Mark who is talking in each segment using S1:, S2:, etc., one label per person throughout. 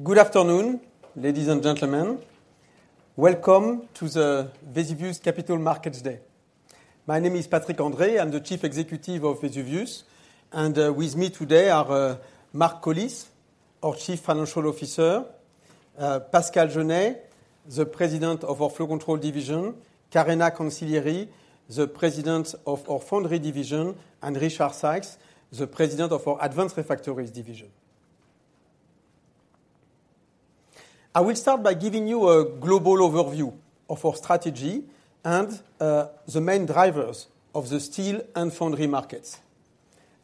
S1: Good afternoon, ladies and gentlemen. Welcome to the Vesuvius Capital Markets Day. My name is Patrick André. I'm the Chief Executive of Vesuvius, and with me today are Mark Collis, our Chief Financial Officer, Pascal Genest, the President of our Flow Control Division, Karena Cancilleri, the President of our Foundry Division, and Richard Sykes, the President of our Advanced Refractories Division. I will start by giving you a global overview of our strategy and the main drivers of the steel and foundry markets.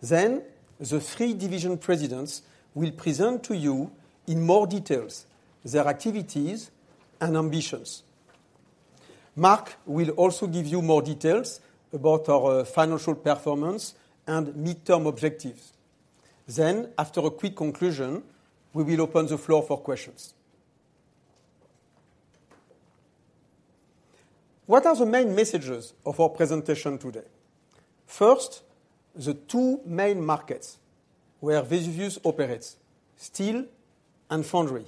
S1: Then, the three division presidents will present to you in more details their activities and ambitions. Mark will also give you more details about our financial performance and midterm objectives. Then, after a quick conclusion, we will open the floor for questions. What are the main messages of our presentation today? First, the two main markets where Vesuvius operates, steel and foundry,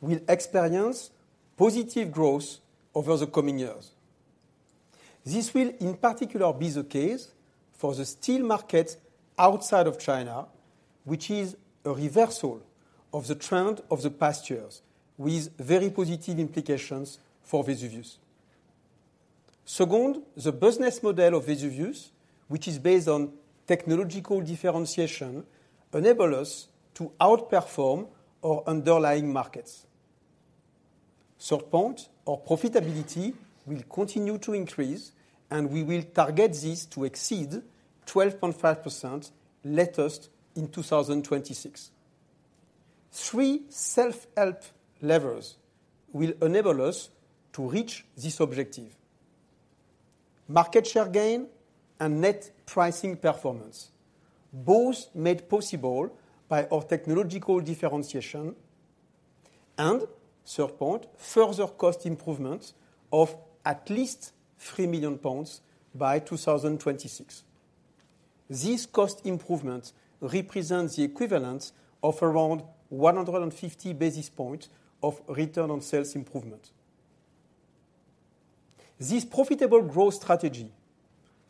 S1: will experience positive growth over the coming years. This will, in particular, be the case for the steel market outside of China, which is a reversal of the trend of the past years, with very positive implications for Vesuvius. Second, the business model of Vesuvius, which is based on technological differentiation, enable us to outperform our underlying markets. Third point, our profitability will continue to increase, and we will target this to exceed 12.5% latest in 2026. Three self-help levers will enable us to reach this objective: market share gain and net pricing performance, both made possible by our technological differentiation and, third point, further cost improvements of at least 3 million pounds by 2026. This cost improvement represents the equivalent of around 150 basis points of return on sales improvement. This profitable growth strategy,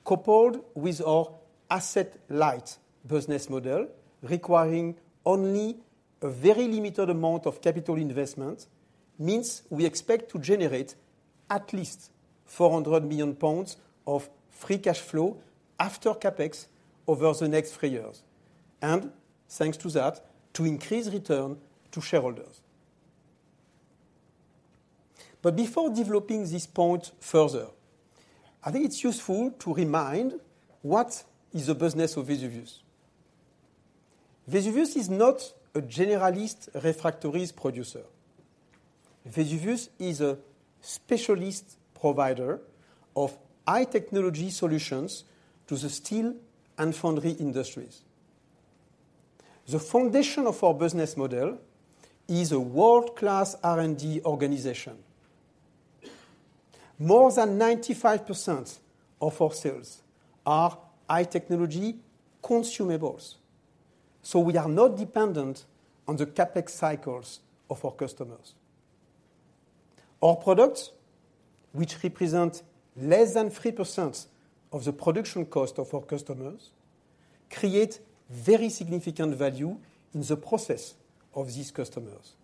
S1: coupled with our asset-light business model, requiring only a very limited amount of capital investment, means we expect to generate at least 400 million pounds of free cash flow after CapEx over the next three years, and thanks to that, to increase return to shareholders. But before developing this point further, I think it's useful to remind what is the business of Vesuvius. Vesuvius is not a generalist refractories producer. Vesuvius is a specialist provider of high-technology solutions to the steel and foundry industries. The foundation of our business model is a world-class R&D organization. More than 95% of our sales are high-technology consumables, so we are not dependent on the CapEx cycles of our customers. Our products, which represent less than 3% of the production cost of our customers, create very significant value in the process of these customers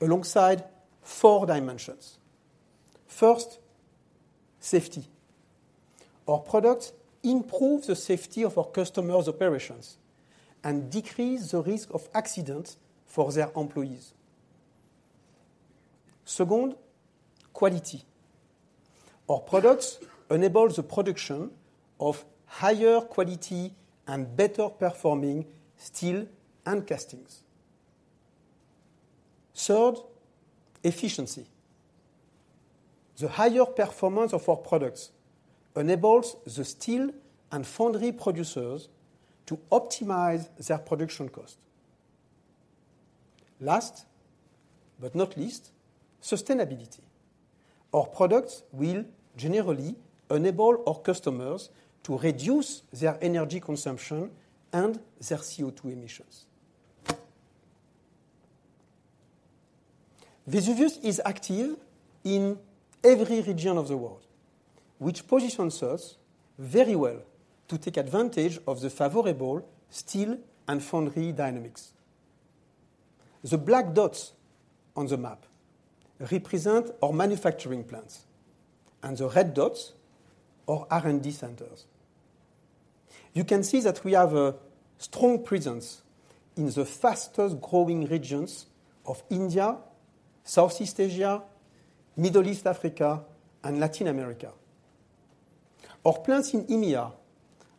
S1: alongside four dimensions. First, safety. Our products improve the safety of our customers' operations and decrease the risk of accidents for their employees. Second, quality. Our products enable the production of higher quality and better performing steel and castings. Third, efficiency. The higher performance of our products enables the steel and foundry producers to optimize their production cost. Last, but not least, sustainability. Our products will generally enable our customers to reduce their energy consumption and their CO2 emissions. Vesuvius is active in every region of the world, which positions us very well to take advantage of the favorable steel and foundry dynamics. The black dots on the map represent our manufacturing plants and the red dots, our R&D centers. You can see that we have a strong presence in the fastest-growing regions of India, Southeast Asia, Middle East Africa, and Latin America. Our plants in EMEA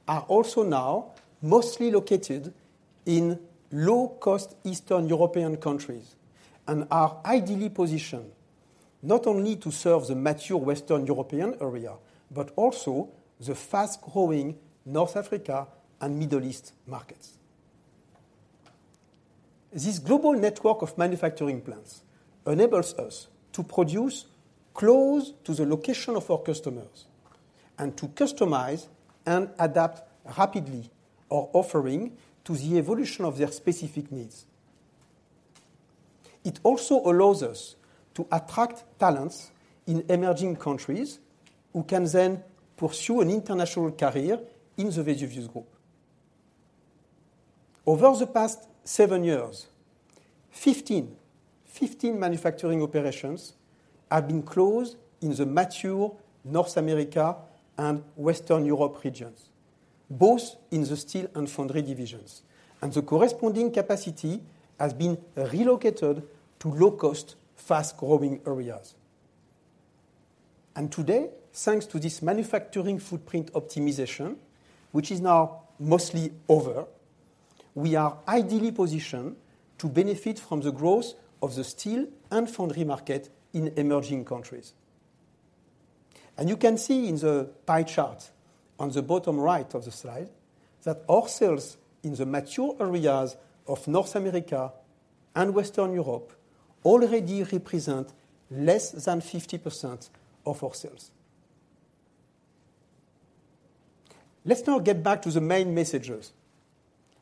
S1: are also now mostly located in low-cost Eastern European countries and are ideally positioned not only to serve the mature Western European area, but also the fast-growing North Africa and Middle East markets. This global network of manufacturing plants enables us to produce close to the location of our customers and to customize and adapt rapidly our offering to the evolution of their specific needs. It also allows us to attract talents in emerging countries, who can then pursue an international career in the Vesuvius Group. Over the past seven years, 15, 15 manufacturing operations have been closed in the mature North America and Western Europe regions, both in the steel and foundry divisions, and the corresponding capacity has been relocated to low-cost, fast-growing areas. And today, thanks to this manufacturing footprint optimization, which is now mostly over, we are ideally positioned to benefit from the growth of the steel and foundry market in emerging countries. And you can see in the pie chart on the bottom right of the slide, that our sales in the mature areas of North America and Western Europe already represent less than 50% of our sales. Let's now get back to the main messages,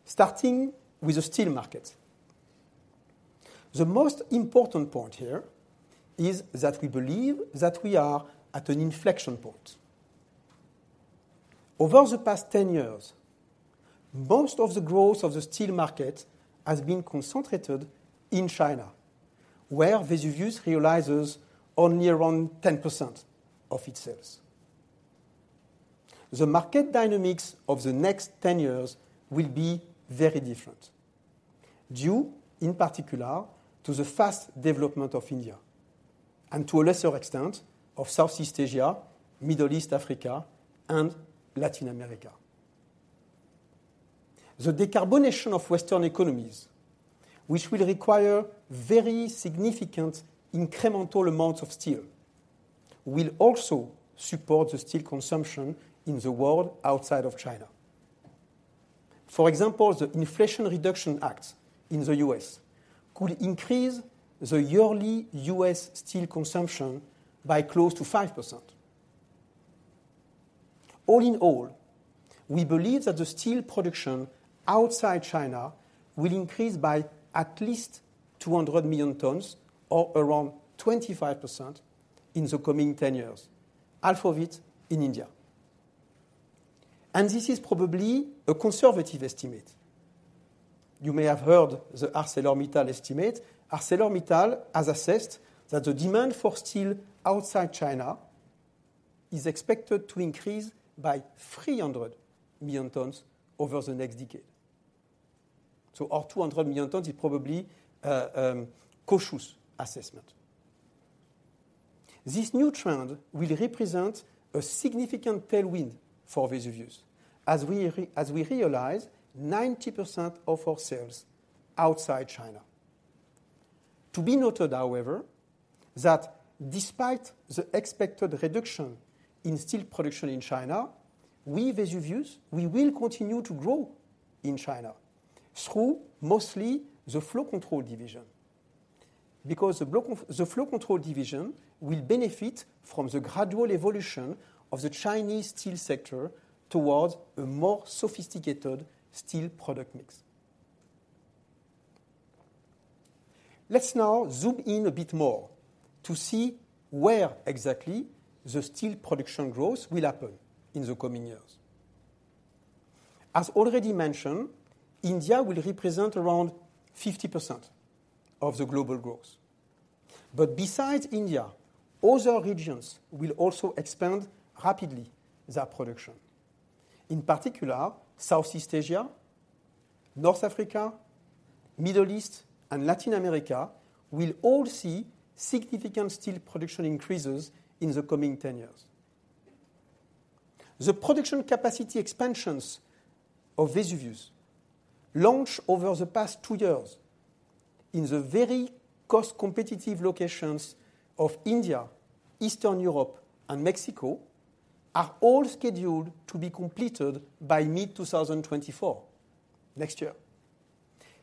S1: starting with the steel market. The most important point here is that we believe that we are at an inflection point. Over the past 10 years, most of the growth of the steel market has been concentrated in China, where Vesuvius realizes only around 10% of its sales. The market dynamics of the next 10 years will be very different, due in particular to the fast development of India and, to a lesser extent, of Southeast Asia, Middle East Africa, and Latin America. The decarbonization of Western economies, which will require very significant incremental amounts of steel, will also support the steel consumption in the world outside of China. For example, the Inflation Reduction Act in the U.S. could increase the yearly U.S. steel consumption by close to 5%. All in all, we believe that the steel production outside China will increase by at least 200 million tons or around 25% in the coming 10 years, half of it in India. This is probably a conservative estimate. You may have heard the ArcelorMittal estimate. ArcelorMittal has assessed that the demand for steel outside China is expected to increase by 300 million tons over the next decade. So our 200 million tons is probably a cautious assessment. This new trend will represent a significant tailwind for Vesuvius as we realize 90% of our sales outside China. To be noted, however, that despite the expected reduction in steel production in China, we, Vesuvius, we will continue to grow in China through mostly the Flow Control division. Because the Flow Control division will benefit from the gradual evolution of the Chinese steel sector towards a more sophisticated steel product mix. Let's now zoom in a bit more to see where exactly the steel production growth will happen in the coming years. As already mentioned, India will represent around 50% of the global growth. But besides India, other regions will also expand rapidly their production. In particular, Southeast Asia, North Africa, Middle East, and Latin America will all see significant steel production increases in the coming 10 years. The production capacity expansions of Vesuvius, launched over the past two years in the very cost-competitive locations of India, Eastern Europe, and Mexico, are all scheduled to be completed by mid-2024, next year.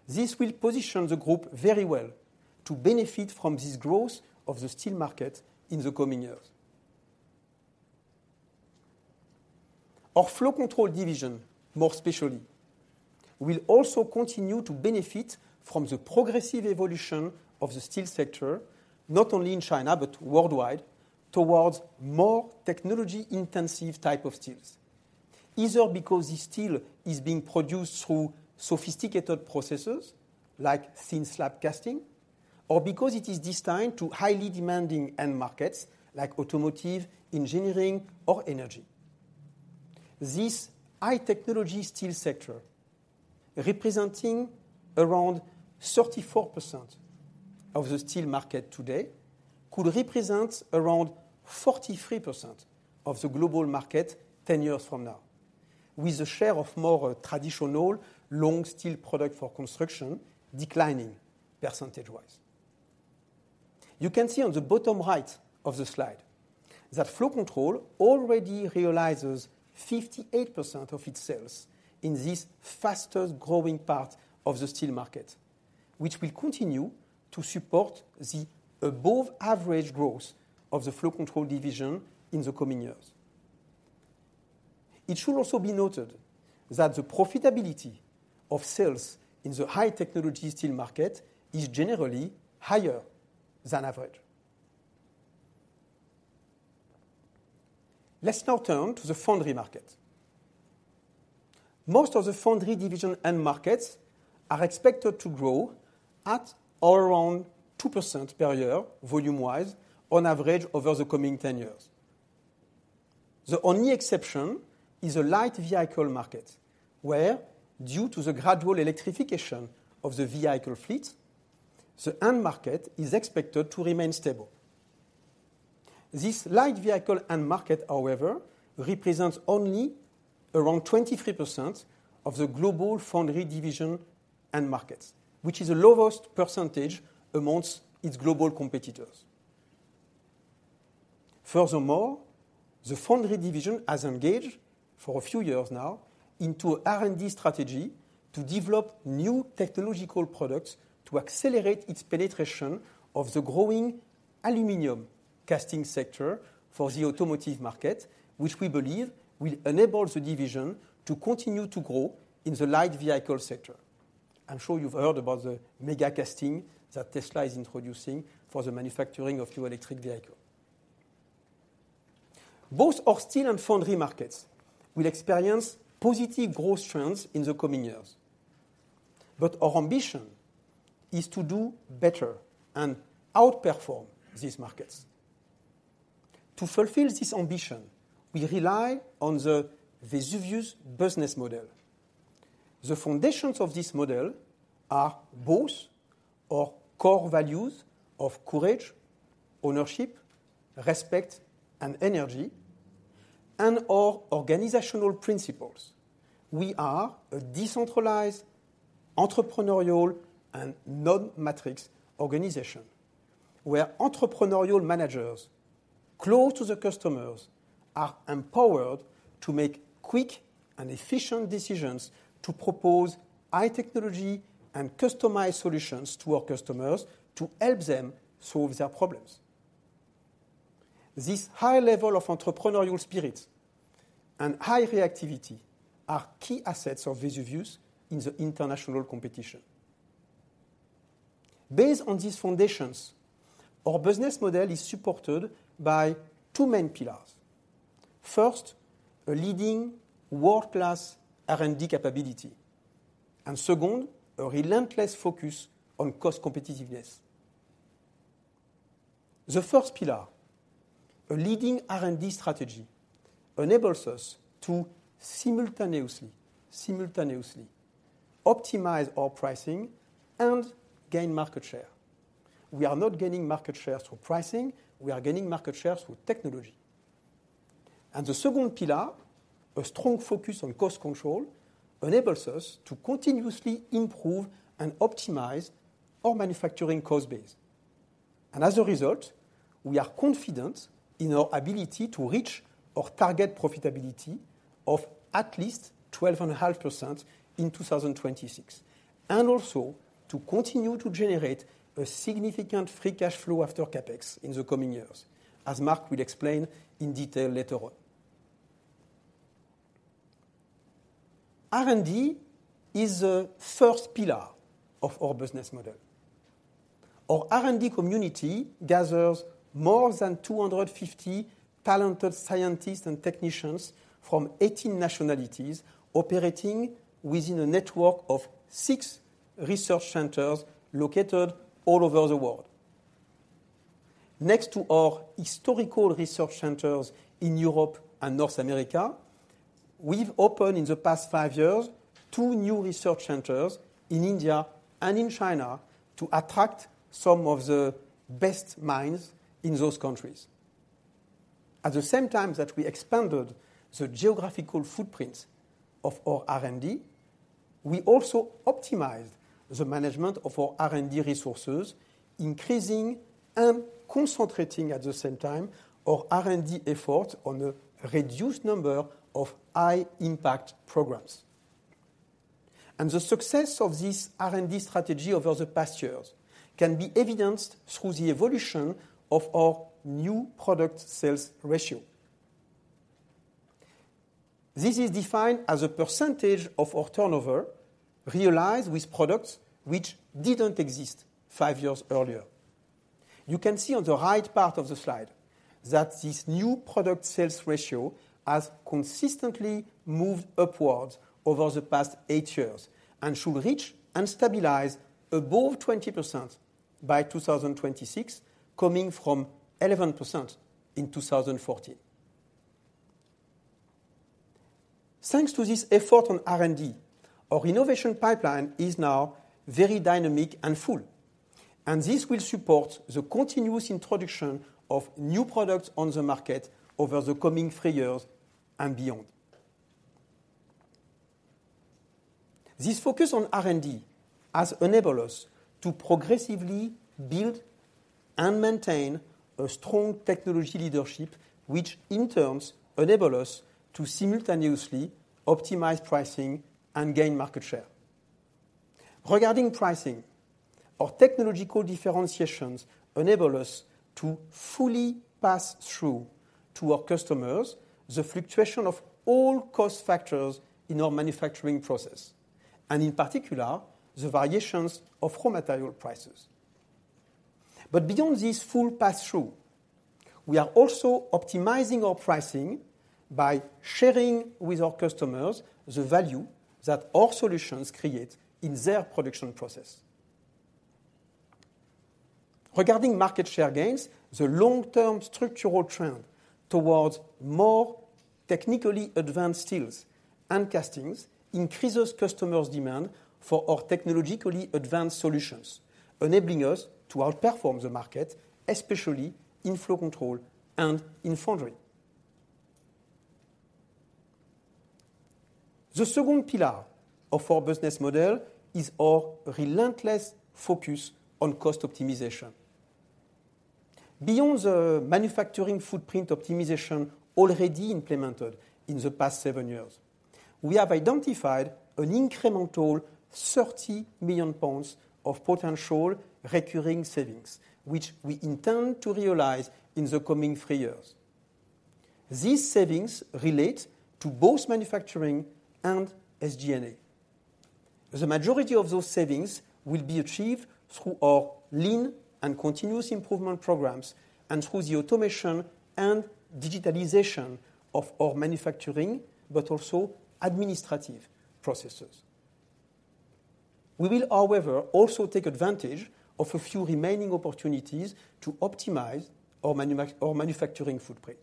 S1: This will position the group very well to benefit from this growth of the steel market in the coming years. Our Flow Control division, more specially, will also continue to benefit from the progressive evolution of the steel sector, not only in China but worldwide, towards more technology-intensive type of steels. Either because the steel is being produced through sophisticated processes, like Thin Slab Casting, or because it is destined to highly demanding end markets, like automotive, engineering, or energy. This high technology steel sector, representing around 34% of the steel market today, could represent around 43% of the global market 10 years from now, with a share of more traditional long steel product for construction declining percentage-wise. You can see on the bottom right of the slide that Flow Control already realizes 58% of its sales in this fastest growing part of the steel market... which will continue to support the above-average growth of the Flow Control division in the coming years. It should also be noted that the profitability of sales in the high-technology steel market is generally higher than average. Let's now turn to the Foundry market. Most of the Foundry division end markets are expected to grow at or around 2% per year, volume-wise, on average, over the coming 10 years. The only exception is the light vehicle market, where, due to the gradual electrification of the vehicle fleet, the end market is expected to remain stable. This light vehicle end market, however, represents only around 23% of the global Foundry division end markets, which is the lowest percentage amongst its global competitors. Furthermore, the Foundry division has engaged for a few years now into R&D strategy to develop new technological products to accelerate its penetration of the growing aluminum casting sector for the automotive market, which we believe will enable the division to continue to grow in the light vehicle sector. I'm sure you've heard about the megacasting that Tesla is introducing for the manufacturing of new electric vehicle. Both our steel and foundry markets will experience positive growth trends in the coming years, but our ambition is to do better and outperform these markets. To fulfill this ambition, we rely on the Vesuvius business model. The foundations of this model are both our core values of courage, ownership, respect, and energy, and our organizational principles. We are a decentralized, entrepreneurial, and non-matrix organization, where entrepreneurial managers, close to the customers, are empowered to make quick and efficient decisions to propose high technology and customized solutions to our customers to help them solve their problems. This high level of entrepreneurial spirit and high reactivity are key assets of Vesuvius in the international competition. Based on these foundations, our business model is supported by two main pillars. First, a leading world-class R&D capability, and second, a relentless focus on cost competitiveness. The first pillar, a leading R&D strategy, enables us to simultaneously optimize our pricing and gain market share. We are not gaining market share through pricing. We are gaining market share through technology. The second pillar, a strong focus on cost control, enables us to continuously improve and optimize our manufacturing cost base. As a result, we are confident in our ability to reach our target profitability of at least 12.5% in 2026, and also to continue to generate a significant free cash flow after CapEx in the coming years, as Mark will explain in detail later on. R&D is the first pillar of our business model. Our R&D community gathers more than 250 talented scientists and technicians from 18 nationalities, operating within a network of six research centers located all over the world. Next to our historical research centers in Europe and North America, we've opened, in the past five years, two new research centers in India and in China to attract some of the best minds in those countries. At the same time that we expanded the geographical footprint of our R&D, we also optimized the management of our R&D resources, increasing and concentrating, at the same time, our R&D effort on a reduced number of high-impact programs. The success of this R&D strategy over the past years can be evidenced through the evolution of our new product sales ratio. This is defined as a percentage of our turnover realized with products which didn't exist five years earlier. You can see on the right part of the slide that this new product sales ratio has consistently moved upwards over the past eight years and should reach and stabilize above 20% by 2026, coming from 11% in 2014. Thanks to this effort on R&D, our innovation pipeline is now very dynamic and full, and this will support the continuous introduction of new products on the market over the coming three years and beyond. This focus on R&D has enabled us to progressively build and maintain a strong technology leadership, which in turn enable us to simultaneously optimize pricing and gain market share. Regarding pricing, our technological differentiations enable us to fully pass through to our customers the fluctuation of all cost factors in our manufacturing process, and in particular, the variations of raw material prices. But beyond this full pass-through, we are also optimizing our pricing by sharing with our customers the value that our solutions create in their production process. Regarding market share gains, the long-term structural trend towards more technically advanced steels and castings increases customers' demand for our technologically advanced solutions, enabling us to outperform the market, especially in Flow Control and in Foundry. The second pillar of our business model is our relentless focus on cost optimization. Beyond the manufacturing footprint optimization already implemented in the past seven years, we have identified an incremental 30 million pounds of potential recurring savings, which we intend to realize in the coming three years. These savings relate to both manufacturing and SG&A. The majority of those savings will be achieved through our lean and continuous improvement programs and through the automation and digitalization of our manufacturing, but also administrative processes. We will, however, also take advantage of a few remaining opportunities to optimize our manufacturing footprint.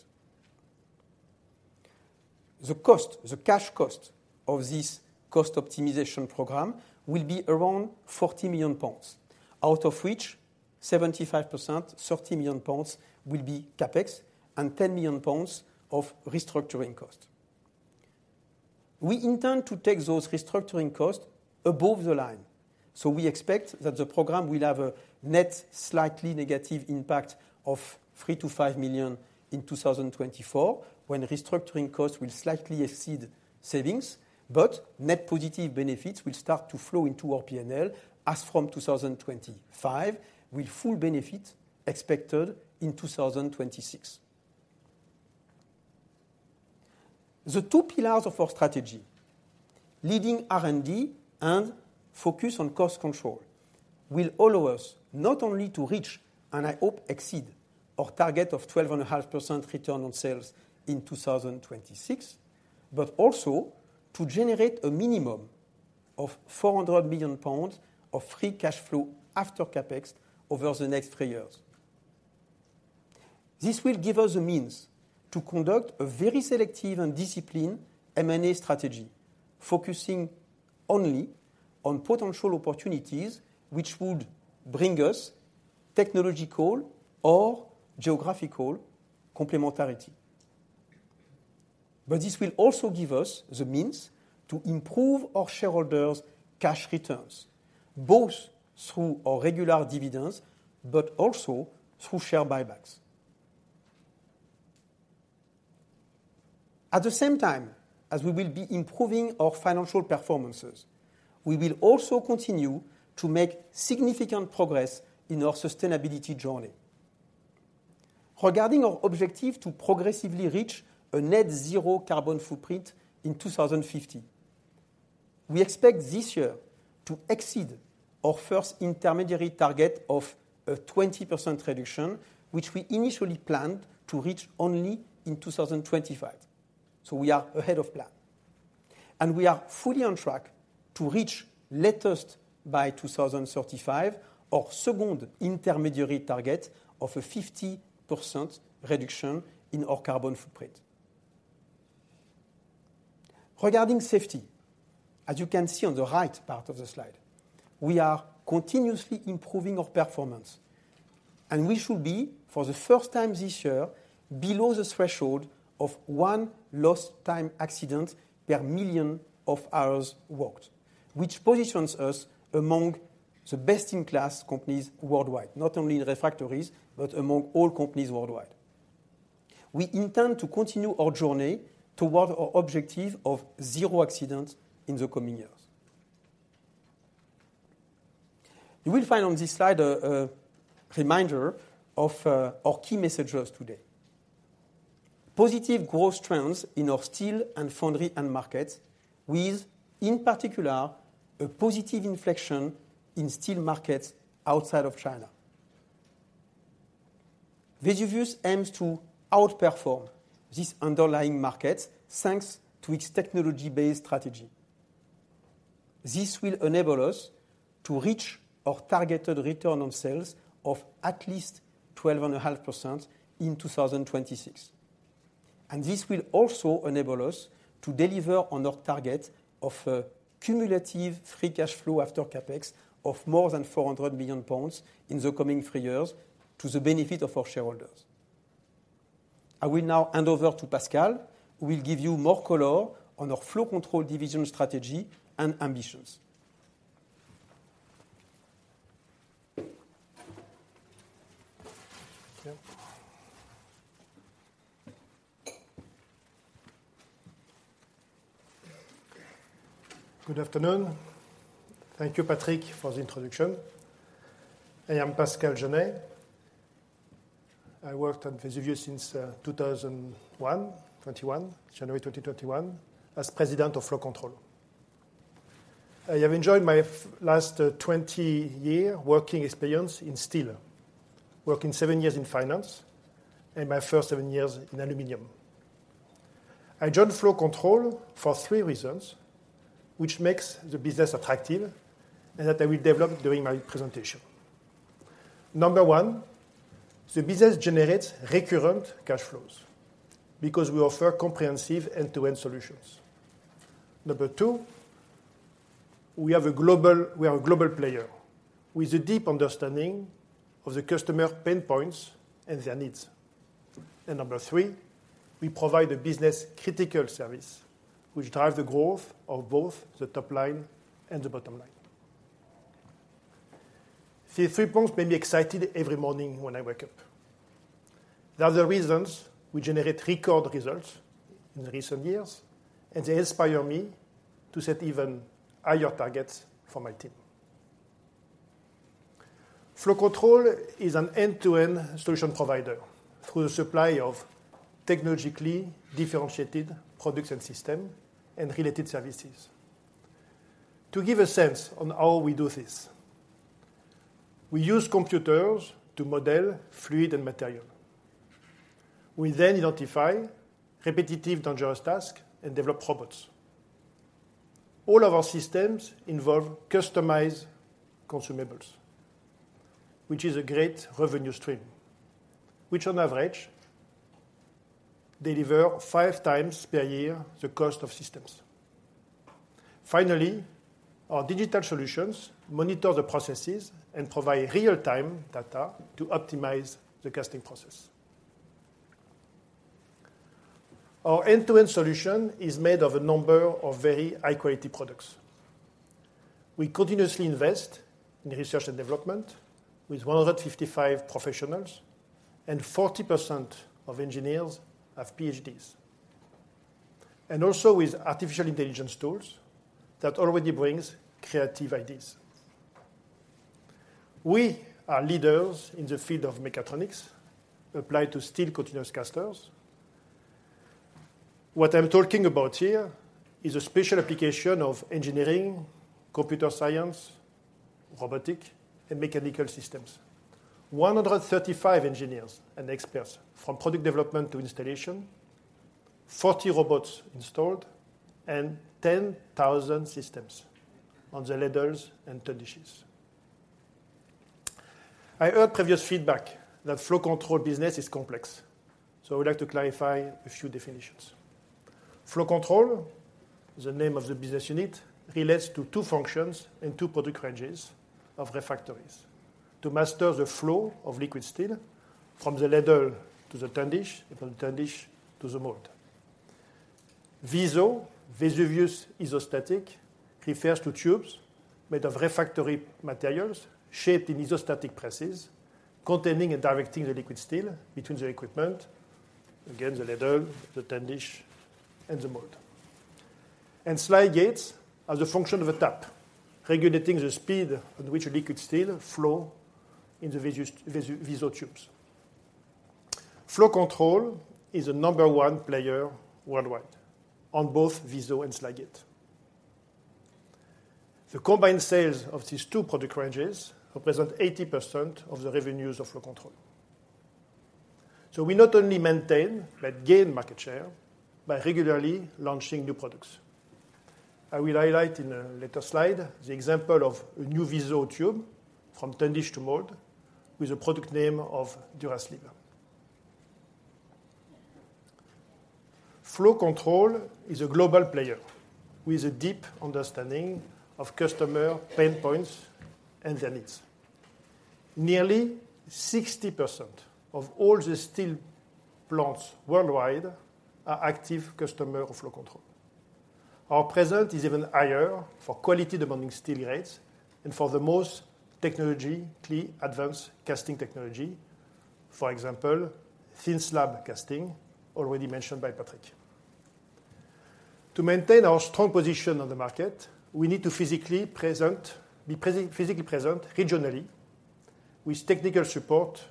S1: The cost, the cash cost of this cost optimization program will be around 40 million pounds, out of which 75%, 30 million pounds, will be CapEx and 10 million pounds of restructuring cost. We intend to take those restructuring costs above the line, so we expect that the program will have a net slightly negative impact of 3 million-5 million in 2024, when restructuring costs will slightly exceed savings, but net positive benefits will start to flow into our P&L as from 2025, with full benefit expected in 2026. The two pillars of our strategy, leading R&D and focus on cost control, will allow us not only to reach, and I hope exceed, our target of 12.5% return on sales in 2026, but also to generate a minimum of 400 million pounds of free cash flow after CapEx over the next three years. This will give us the means to conduct a very selective and disciplined M&A strategy, focusing only on potential opportunities which would bring us technological or geographical complementarity. But this will also give us the means to improve our shareholders' cash returns, both through our regular dividends, but also through share buybacks. At the same time, as we will be improving our financial performances, we will also continue to make significant progress in our sustainability journey. Regarding our objective to progressively reach a net zero carbon footprint in 2050, we expect this year to exceed our first intermediary target of a 20% reduction, which we initially planned to reach only in 2025. We are ahead of plan. We are fully on track to reach, latest by 2035, our second intermediary target of a 50% reduction in our carbon footprint. Regarding safety, as you can see on the right part of the slide, we are continuously improving our performance, and we should be, for the first time this year, below the threshold of one lost time accident per million of hours worked, which positions us among the best-in-class companies worldwide, not only in refractories, but among all companies worldwide. We intend to continue our journey toward our objective of zero accidents in the coming years. You will find on this slide a reminder of our key messages today. Positive growth trends in our steel and foundry end markets, with, in particular, a positive inflection in steel markets outside of China. Vesuvius aims to outperform these underlying markets, thanks to its technology-based strategy. This will enable us to reach our targeted return on sales of at least 12.5% in 2026. And this will also enable us to deliver on our target of a cumulative free cash flow after CapEx of more than 400 million pounds in the coming three years to the benefit of our shareholders. I will now hand over to Pascal, who will give you more color on our Flow Control division strategy and ambitions.
S2: Good afternoon. Thank you, Patrick, for the introduction. I am Pascal Genest. I worked at Vesuvius since 2021, January 2021, as President of Flow Control. I have enjoyed my last 20-year working experience in steel, working seven years in finance and my first seven years in aluminum. I joined Flow Control for three reasons, which makes the business attractive, and that I will develop during my presentation. Number one, the business generates recurrent cash flows because we offer comprehensive end-to-end solutions. Number two, we are a global player with a deep understanding of the customer pain points and their needs. And number three, we provide a business-critical service, which drive the growth of both the top line and the bottom line. These three points make me excited every morning when I wake up. They are the reasons we generate record results in recent years, and they inspire me to set even higher targets for my team. Flow Control is an end-to-end solution provider through the supply of technologically differentiated products and system and related services. To give a sense on how we do this, we use computers to model fluid and material. We then identify repetitive, dangerous task and develop robots. All of our systems involve customized consumables, which is a great revenue stream, which on average, deliver 5x per year the cost of systems. Finally, our digital solutions monitor the processes and provide real-time data to optimize the casting process. Our end-to-end solution is made of a number of very high-quality products. We continuously invest in research and development with 155 professionals, and 40% of engineers have Ph.D.s, and also with artificial intelligence tools that already brings creative ideas. We are leaders in the field of mechatronics applied to steel continuous casters. What I'm talking about here is a special application of engineering, computer science, robotic, and mechanical systems. 135 engineers and experts from product development to installation, 40 robots installed, and 10,000 systems on the ladles and tundishes. I heard previous feedback that Flow Control business is complex, so I would like to clarify a few definitions. Flow Control, the name of the business unit, relates to two functions and two product ranges of refractories to master the flow of liquid steel from the ladle to the tundish, and from tundish to the mold. VISO, Vesuvius Isostatic, refers to tubes made of refractory materials, shaped in isostatic presses, containing and directing the liquid steel between the equipment, again, the ladle, the tundish, and the mold. Slide gates are the function of a tap, regulating the speed at which liquid steel flow in the VISO tubes. Flow Control is the number one player worldwide on both VISO and slide gate. The combined sales of these two product ranges represent 80% of the revenues of Flow Control. We not only maintain, but gain market share by regularly launching new products. I will highlight in a later slide the example of a new VISO tube from tundish to mold with a product name of DuraSleeve. Flow Control is a global player with a deep understanding of customer pain points and their needs. Nearly 60% of all the steel plants worldwide are active customer of Flow Control. Our presence is even higher for quality-demanding steel grades and for the most technologically advanced casting technology, for example, thin slab casting, already mentioned by Patrick. To maintain our strong position on the market, we need to physically present regionally, with technical support,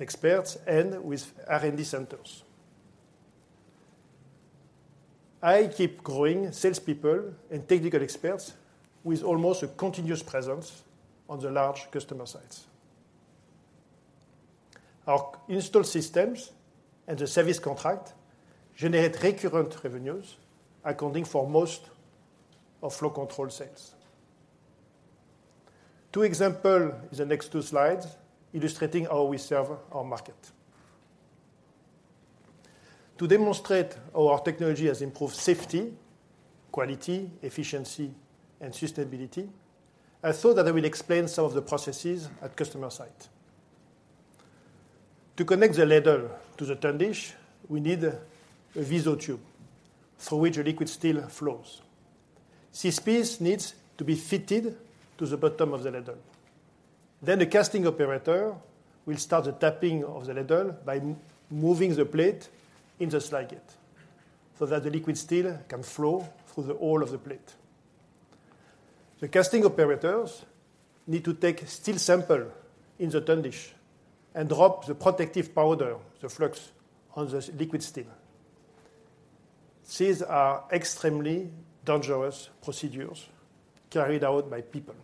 S2: experts, and with R&D centers. I keep growing salespeople and technical experts with almost a continuous presence on the large customer sites. Our installed systems and the service contract generate recurrent revenues, accounting for most of Flow Control sales. Two example in the next two slides, illustrating how we serve our market. To demonstrate how our technology has improved safety, quality, efficiency, and sustainability, I thought that I will explain some of the processes at customer site. To connect the ladle to the tundish, we need a VISO tube through which the liquid steel flows. This piece needs to be fitted to the bottom of the ladle. Then the casting operator will start the tapping of the ladle by moving the plate in the slide gate, so that the liquid steel can flow through the hole of the plate. The casting operators need to take steel sample in the tundish and drop the protective powder, the flux, on the liquid steel. These are extremely dangerous procedures carried out by people.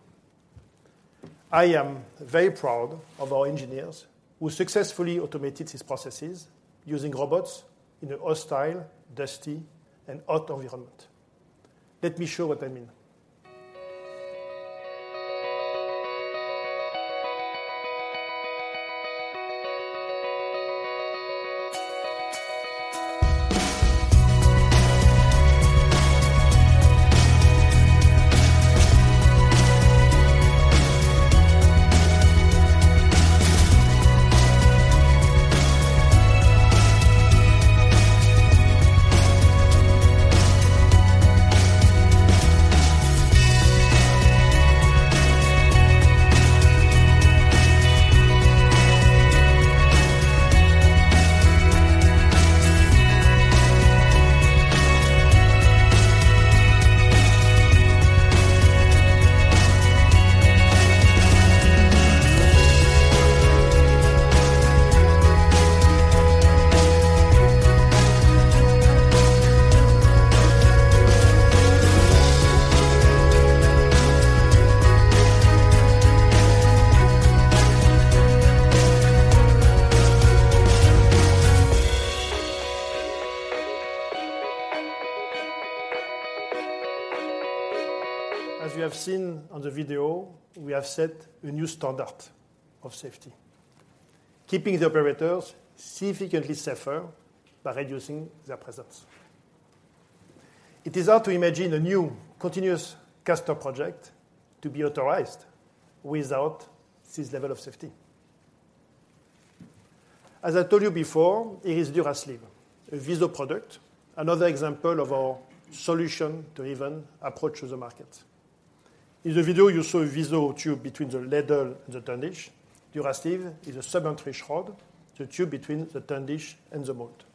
S2: I am very proud of our engineers who successfully automated these processes using robots in a hostile, dusty, and hot environment. Let me show what I mean. As you have seen on the video, we have set a new standard of safety, keeping the operators significantly safer by reducing their presence. It is hard to imagine a new continuous caster project to be authorized without this level of safety. As I told you before, here is DuraSleeve, a VISO product, another example of our solution to even approach the market. In the video, you saw a VISO tube between the ladle and the tundish. DuraSleeve is a submerged shroud, the tube between the tundish and the mold.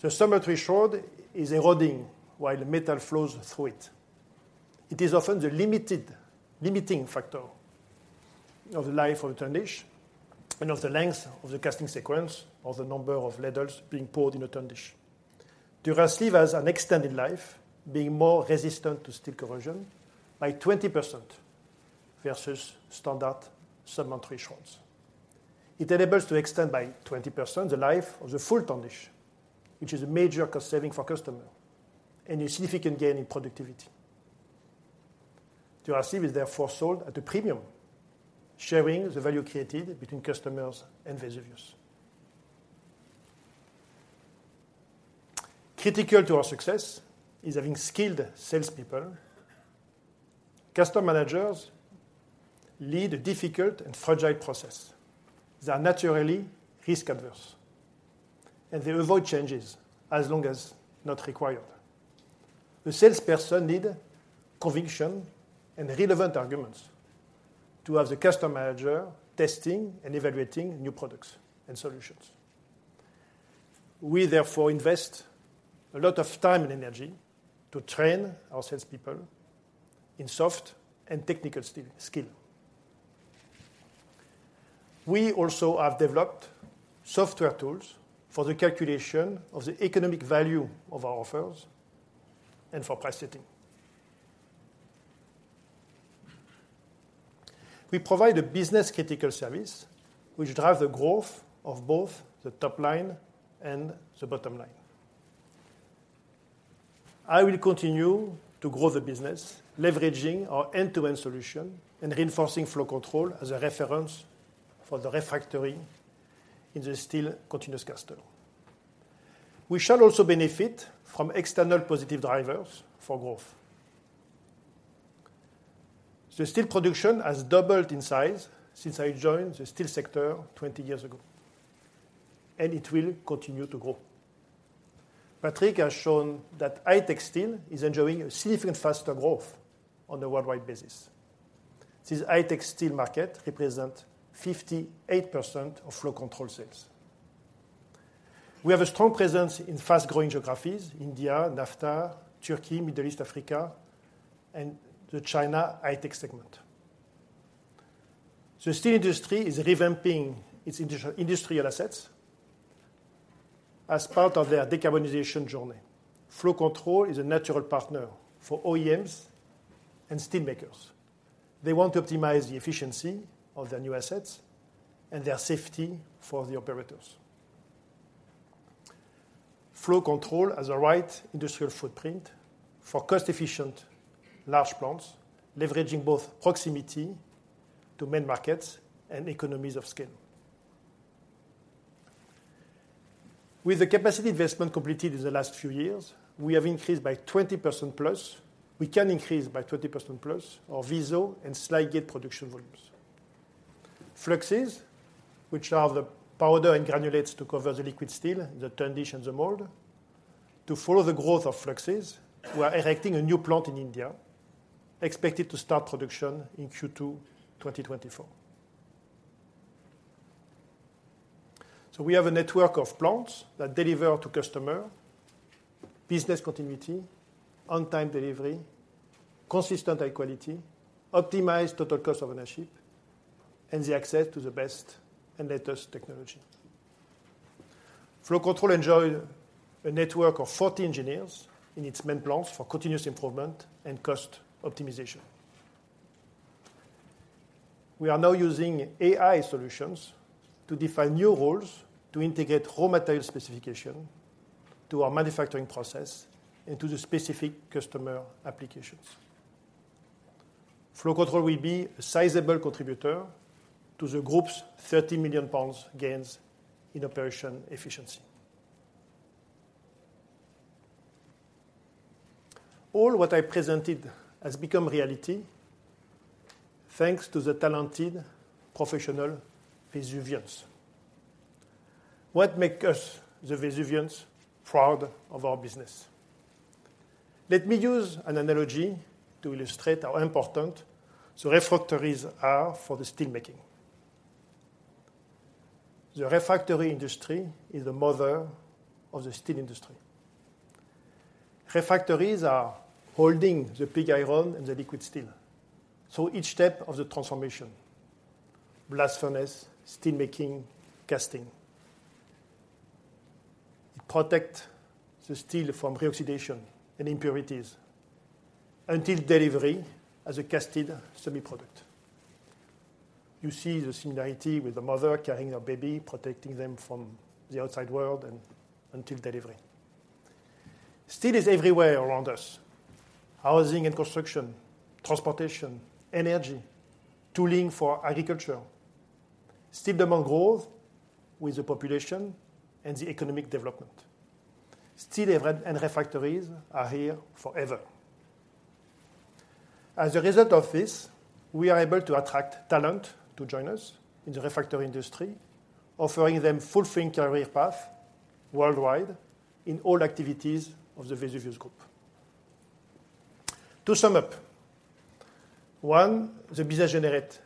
S2: The submerged shroud is eroding while the metal flows through it. It is often the limiting factor of the life of the tundish and of the length of the casting sequence, or the number of ladles being poured in a tundish. DuraSleeve has an extended life, being more resistant to steel corrosion by 20% versus standard submerged shrouds. It enables to extend by 20% the life of the full tundish, which is a major cost saving for customer and a significant gain in productivity. DuraSleeve is therefore sold at a premium, sharing the value created between customers and Vesuvius. Critical to our success is having skilled salespeople. Customer managers lead a difficult and fragile process. They are naturally risk-averse, and they avoid changes as long as not required. The salesperson need conviction and relevant arguments to have the customer manager testing and evaluating new products and solutions. We therefore invest a lot of time and energy to train our salespeople in soft and technical skill. We also have developed software tools for the calculation of the economic value of our offers and for price setting. We provide a business-critical service, which drive the growth of both the top line and the bottom line. I will continue to grow the business, leveraging our end-to-end solution and reinforcing Flow Control as a reference for the refractory in the steel continuous caster. We shall also benefit from external positive drivers for growth. The steel production has doubled in size since I joined the steel sector 20 years ago, and it will continue to grow. Patrick has shown that high-tech steel is enjoying a significantly faster growth on a worldwide basis. This high-tech steel market represents 58% of Flow Control sales. We have a strong presence in fast-growing geographies: India, NAFTA, Turkey, Middle East, Africa, and the China high-tech segment. The steel industry is revamping its industrial assets as part of their decarbonization journey. Flow Control is a natural partner for OEMs and steel makers. They want to optimize the efficiency of their new assets and their safety for the operators. Flow Control has the right industrial footprint for cost-efficient large plants, leveraging both proximity to main markets and economies of scale. With the capacity investment completed in the last few years, we have increased by 20%+. We can increase by 20%+ our VISO and Slide Gate production volumes. Fluxes, which are the powder and granulates to cover the liquid steel, the tundish, and the mold. To follow the growth of fluxes, we are erecting a new plant in India, expected to start production in Q2 2024. So we have a network of plants that deliver to customer business continuity, on-time delivery, consistent high quality, optimized total cost of ownership, and the access to the best and latest technology. Flow Control enjoy a network of 40 engineers in its main plants for continuous improvement and cost optimization. We are now using AI solutions to define new roles, to integrate raw material specification to our manufacturing process and to the specific customer applications. Flow Control will be a sizable contributor to the Group's 30 million pounds gains in operation efficiency. All what I presented has become reality, thanks to the talented professional Vesuvians. What make us, the Vesuvians, proud of our business? Let me use an analogy to illustrate how important the refractories are for the steelmaking. The refractory industry is the mother of the steel industry. Refractories are holding the pig iron and the liquid steel, so each step of the transformation: blast furnace, steelmaking, casting. It protect the steel from reoxidation and impurities until delivery as a casted semi product. You see the similarity with the mother carrying her baby, protecting them from the outside world and until delivery. Steel is everywhere around us: housing and construction, transportation, energy, tooling for agriculture. Steel demand growth with the population and the economic development. Steel and refractories are here forever. As a result of this, we are able to attract talent to join us in the refractory industry, offering them fulfilling career path worldwide in all activities of the Vesuvius Group. To sum up, one, the business generate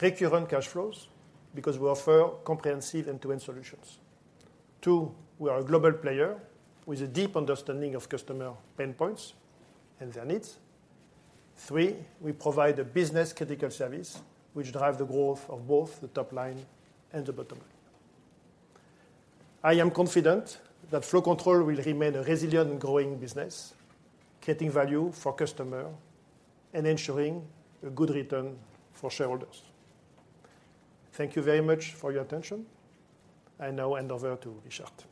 S2: recurrent cash flows because we offer comprehensive end-to-end solutions. Two, we are a global player with a deep understanding of customer pain points and their needs. Three, we provide a business-critical service, which drive the growth of both the top line and the bottom line. I am confident that Flow Control will remain a resilient and growing business, creating value for customer and ensuring a good return for shareholders. Thank you very much for your attention. I now hand over to Richard.
S3: Thank you, Pascal. Well done.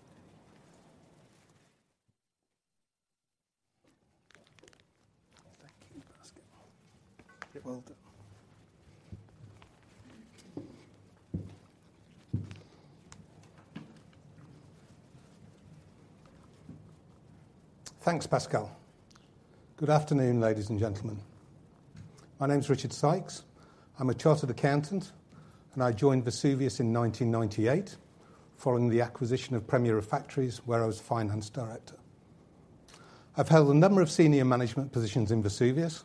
S3: Thanks, Pascal. Good afternoon, ladies and gentlemen. My name is Richard Sykes. I'm a chartered accountant, and I joined Vesuvius in 1998 following the acquisition of Premier Refractories, where I was finance director. I've held a number of senior management positions in Vesuvius,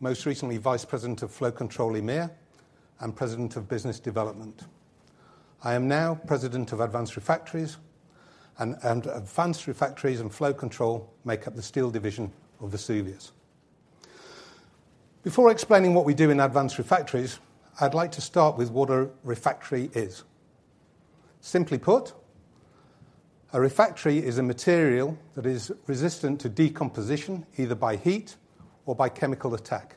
S3: most recently, Vice President of Flow Control EMEA and President of Business Development. I am now President of Advanced Refractories, and Advanced Refractories and Flow Control make up the steel division of Vesuvius. Before explaining what we do in Advanced Refractories, I'd like to start with what a refractory is. Simply put, a refractory is a material that is resistant to decomposition, either by heat or by chemical attack.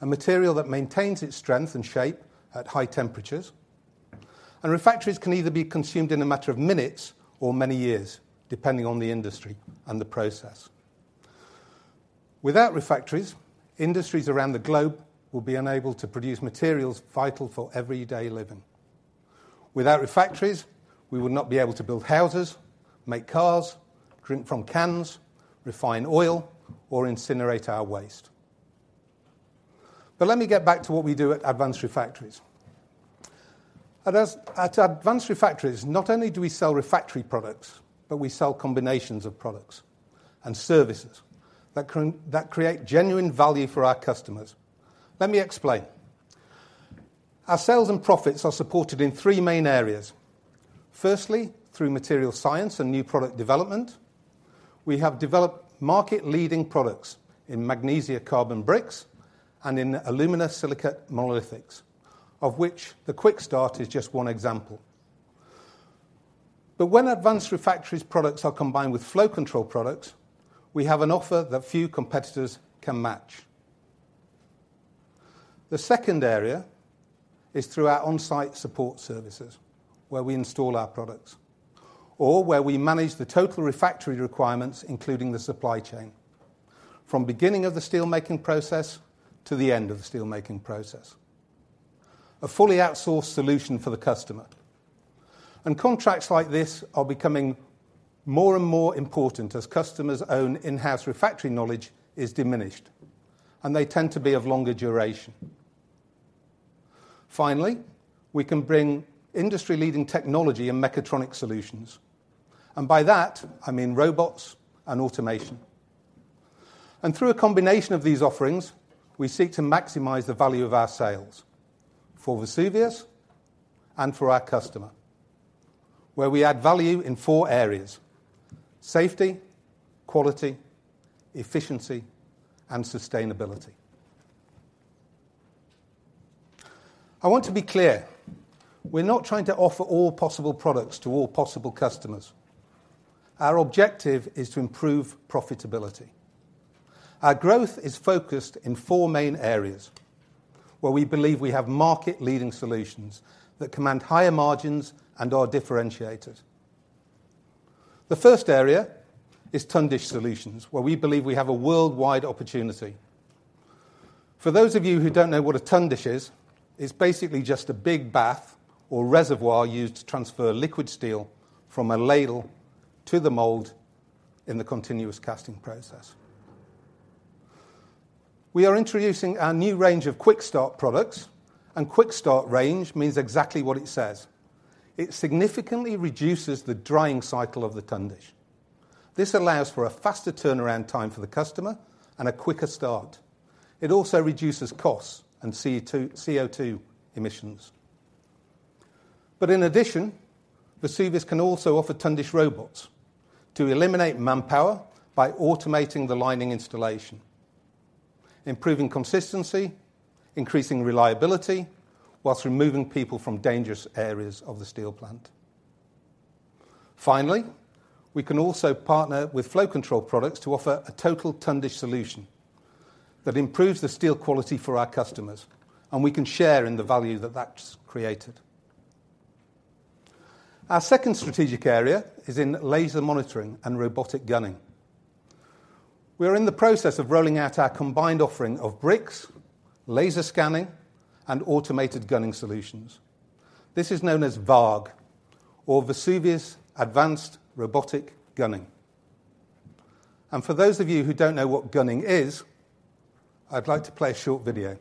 S3: A material that maintains its strength and shape at high temperatures, and refractories can either be consumed in a matter of minutes or many years, depending on the industry and the process. Without refractories, industries around the globe will be unable to produce materials vital for everyday living. Without refractories, we would not be able to build houses, make cars, drink from cans, refine oil, or incinerate our waste. But let me get back to what we do at Advanced Refractories. At Advanced Refractories, not only do we sell refractory products, but we sell combinations of products and services that create genuine value for our customers. Let me explain. Our sales and profits are supported in three main areas. Firstly, through material science and new product development, we have developed market-leading products in magnesia carbon bricks and in aluminosilicate monolithics, of which the QuickStart is just one example. But when Advanced Refractories products are combined with Flow Control products, we have an offer that few competitors can match. The second area is through our on-site support services, where we install our products, or where we manage the total refractory requirements, including the supply chain. From beginning of the steelmaking process to the end of the steelmaking process. A fully outsourced solution for the customer. And contracts like this are becoming more and more important as customers' own in-house refractory knowledge is diminished, and they tend to be of longer duration. Finally, we can bring industry-leading technology and mechatronic solutions, and by that, I mean robots and automation. Through a combination of these offerings, we seek to maximize the value of our sales for Vesuvius and for our customer, where we add value in four areas: safety, quality, efficiency, and sustainability. I want to be clear, we're not trying to offer all possible products to all possible customers. Our objective is to improve profitability. Our growth is focused in four main areas, where we believe we have market-leading solutions that command higher margins and are differentiated. The first area is tundish solutions, where we believe we have a worldwide opportunity. For those of you who don't know what a tundish is, it's basically just a big bath or reservoir used to transfer liquid steel from a ladle to the mold in the continuous casting process. We are introducing our new range of QuickStart products, and QuickStart range means exactly what it says. It significantly reduces the drying cycle of the tundish. This allows for a faster turnaround time for the customer and a quicker start. It also reduces costs and CO2 emissions. In addition, Vesuvius can also offer tundish robots to eliminate manpower by automating the lining installation, improving consistency, increasing reliability, while removing people from dangerous areas of the steel plant. Finally, we can also partner with flow control products to offer a total tundish solution that improves the steel quality for our customers, and we can share in the value that that's created. Our second strategic area is in laser monitoring and robotic gunning. We are in the process of rolling out our combined offering of bricks, laser scanning, and automated gunning solutions. This is known as VARG, or Vesuvius Advanced Robotic Gunning. And for those of you who don't know what gunning is, I'd like to play a short video.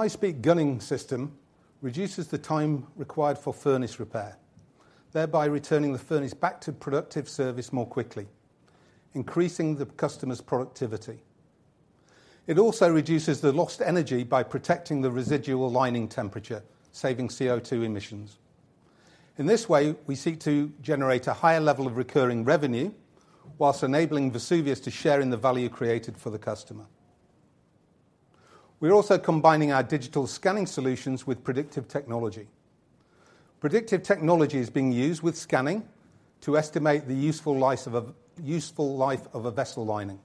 S3: The VARG high-speed gunning system reduces the time required for furnace repair, thereby returning the furnace back to productive service more quickly, increasing the customer's productivity. It also reduces the lost energy by protecting the residual lining temperature, saving CO2 emissions. In this way, we seek to generate a higher level of recurring revenue while enabling Vesuvius to share in the value created for the customer. We're also combining our digital scanning solutions with predictive technology. Predictive technology is being used with scanning to estimate the useful life of a vessel lining,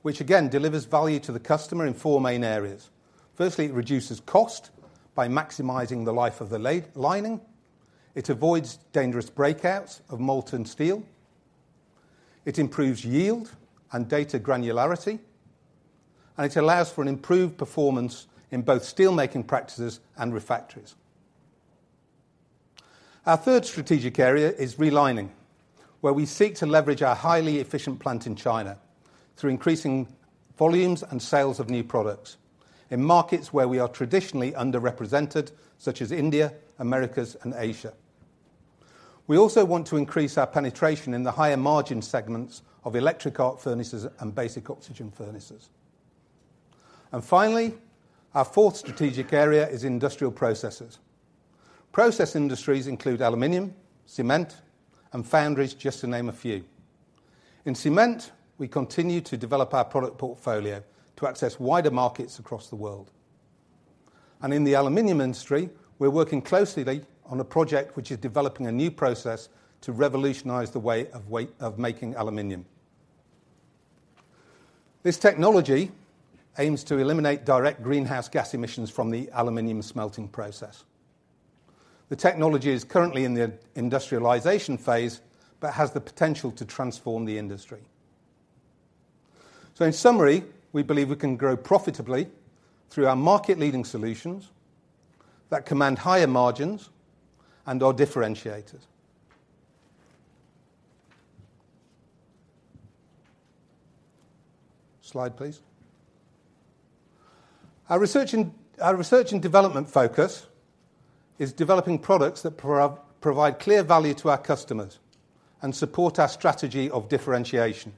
S3: which again, delivers value to the customer in four main areas. Firstly, it reduces cost by maximizing the life of the lining. It avoids dangerous breakouts of molten steel. It improves yield and data granularity. It allows for an improved performance in both steelmaking practices and refractories. Our third strategic area is relining, where we seek to leverage our highly efficient plant in China through increasing volumes and sales of new products in markets where we are traditionally underrepresented, such as India, Americas, and Asia. We also want to increase our penetration in the higher margin segments of Electric Arc Furnaces and Basic Oxygen Furnaces. Finally, our fourth strategic area is industrial processes. Process industries include aluminum, cement, and foundries, just to name a few. In cement, we continue to develop our product portfolio to access wider markets across the world. In the aluminum industry, we're working closely on a project which is developing a new process to revolutionize the way of making aluminum. This technology aims to eliminate direct greenhouse gas emissions from the aluminum smelting process. The technology is currently in the industrialization phase, but has the potential to transform the industry. So in summary, we believe we can grow profitably through our market-leading solutions that command higher margins and are differentiated. Slide, please. Our research and development focus is developing products that provide clear value to our customers and support our strategy of differentiation.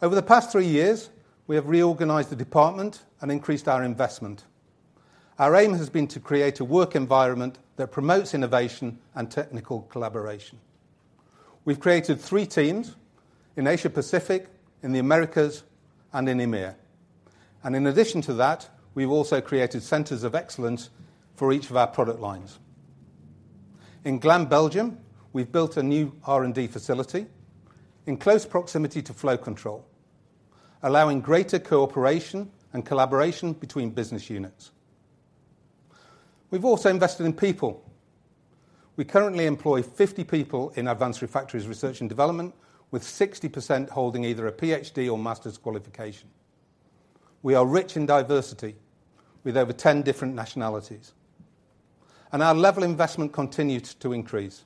S3: Over the past three years, we have reorganized the department and increased our investment. Our aim has been to create a work environment that promotes innovation and technical collaboration. We've created three teams in Asia Pacific, in the Americas, and in EMEIA. And in addition to that, we've also created centers of excellence for each of our product lines. In Ghlin, Belgium, we've built a new R&D facility in close proximity to Flow Control, allowing greater cooperation and collaboration between business units. We've also invested in people. We currently employ 50 people in Advanced Refractories research and development, with 60% holding either a PhD or master's qualification. We are rich in diversity, with over 10 different nationalities, and our level of investment continues to increase.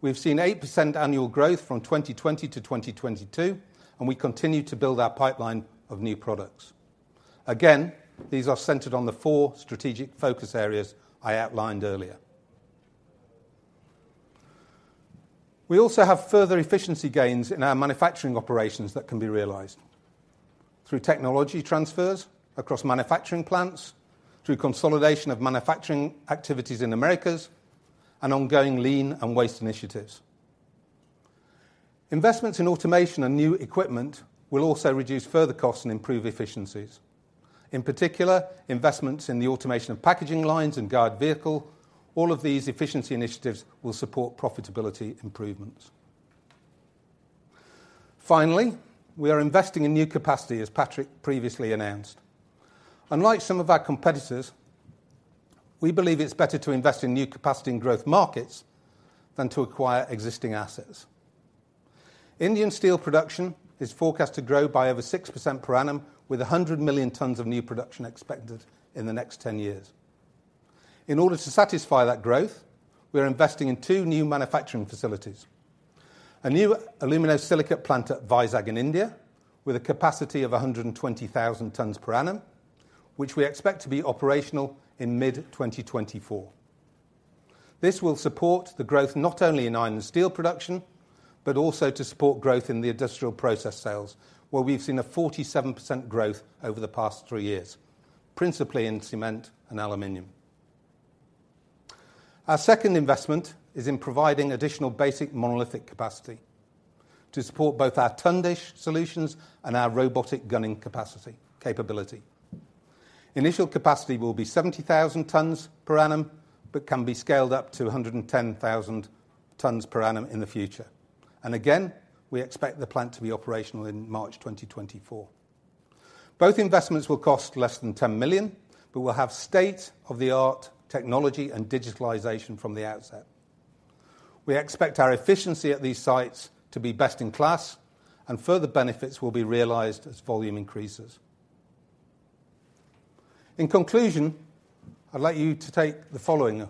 S3: We've seen 8% annual growth from 2020 to 2022, and we continue to build our pipeline of new products. Again, these are centered on the four strategic focus areas I outlined earlier. We also have further efficiency gains in our manufacturing operations that can be realized through technology transfers across manufacturing plants, through consolidation of manufacturing activities in Americas, and ongoing lean and waste initiatives. Investments in automation and new equipment will also reduce further costs and improve efficiencies. In particular, investments in the automation of packaging lines and guard vehicle, all of these efficiency initiatives will support profitability improvements. Finally, we are investing in new capacity, as Patrick previously announced. Unlike some of our competitors, we believe it's better to invest in new capacity in growth markets than to acquire existing assets. Indian steel production is forecast to grow by over 6% per annum, with 100 million tons of new production expected in the next 10 years. In order to satisfy that growth, we are investing in two new manufacturing facilities: a new aluminosilicate plant at Vizag in India, with a capacity of 120,000 tons per annum, which we expect to be operational in mid-2024. This will support the growth not only in iron and steel production, but also to support growth in the industrial process sales, where we've seen a 47% growth over the past three years, principally in cement and aluminum. Our second investment is in providing additional basic monolithic capacity to support both our tundish solutions and our robotic gunning capability. Initial capacity will be 70,000 tons per annum, but can be scaled up to 110,000 tons per annum in the future. Again, we expect the plant to be operational in March 2024. Both investments will cost less than 10 million, but will have state-of-the-art technology and digitalization from the outset. We expect our efficiency at these sites to be best in class, and further benefits will be realized as volume increases. In conclusion, I'd like you to take the following: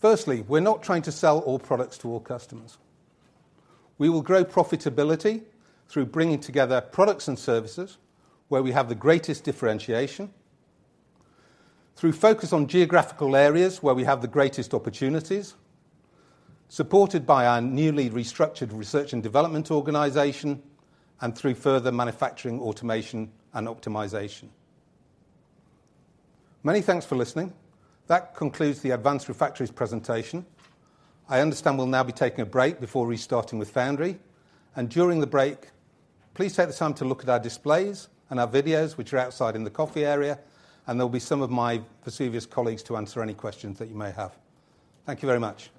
S3: firstly, we're not trying to sell all products to all customers. We will grow profitability through bringing together products and services where we have the greatest differentiation, through focus on geographical areas where we have the greatest opportunities, supported by our newly restructured research and development organization, and through further manufacturing, automation, and optimization. Many thanks for listening. That concludes the Advanced Refractories presentation. I understand we'll now be taking a break before restarting with Foundry. During the break, please take the time to look at our displays and our videos, which are outside in the coffee area, and there will be some of my Vesuvius colleagues to answer any questions that you may have. Thank you very much.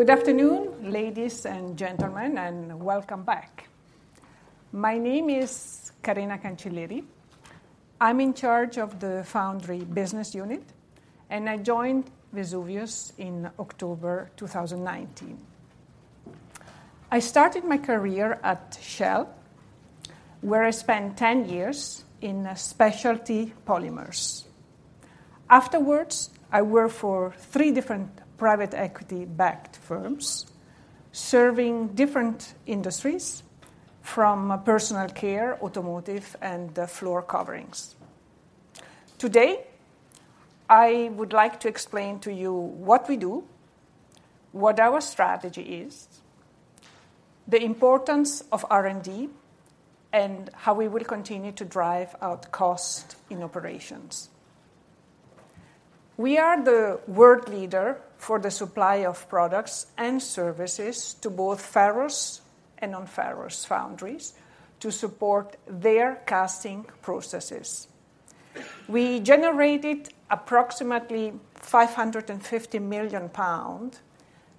S4: Good afternoon, ladies and gentlemen, and welcome back. My name is Karena Cancilleri. I'm in charge of the Foundry Business Unit, and I joined Vesuvius in October 2019. I started my career at Shell, where I spent 10 years in specialty polymers. Afterwards, I worked for three different private equity-backed firms, serving different industries, from personal care, automotive, and floor coverings. Today, I would like to explain to you what we do, what our strategy is, the importance of R&D, and how we will continue to drive out cost in operations. We are the world leader for the supply of products and services to both ferrous and non-ferrous foundries to support their casting processes. We generated approximately 550 million pounds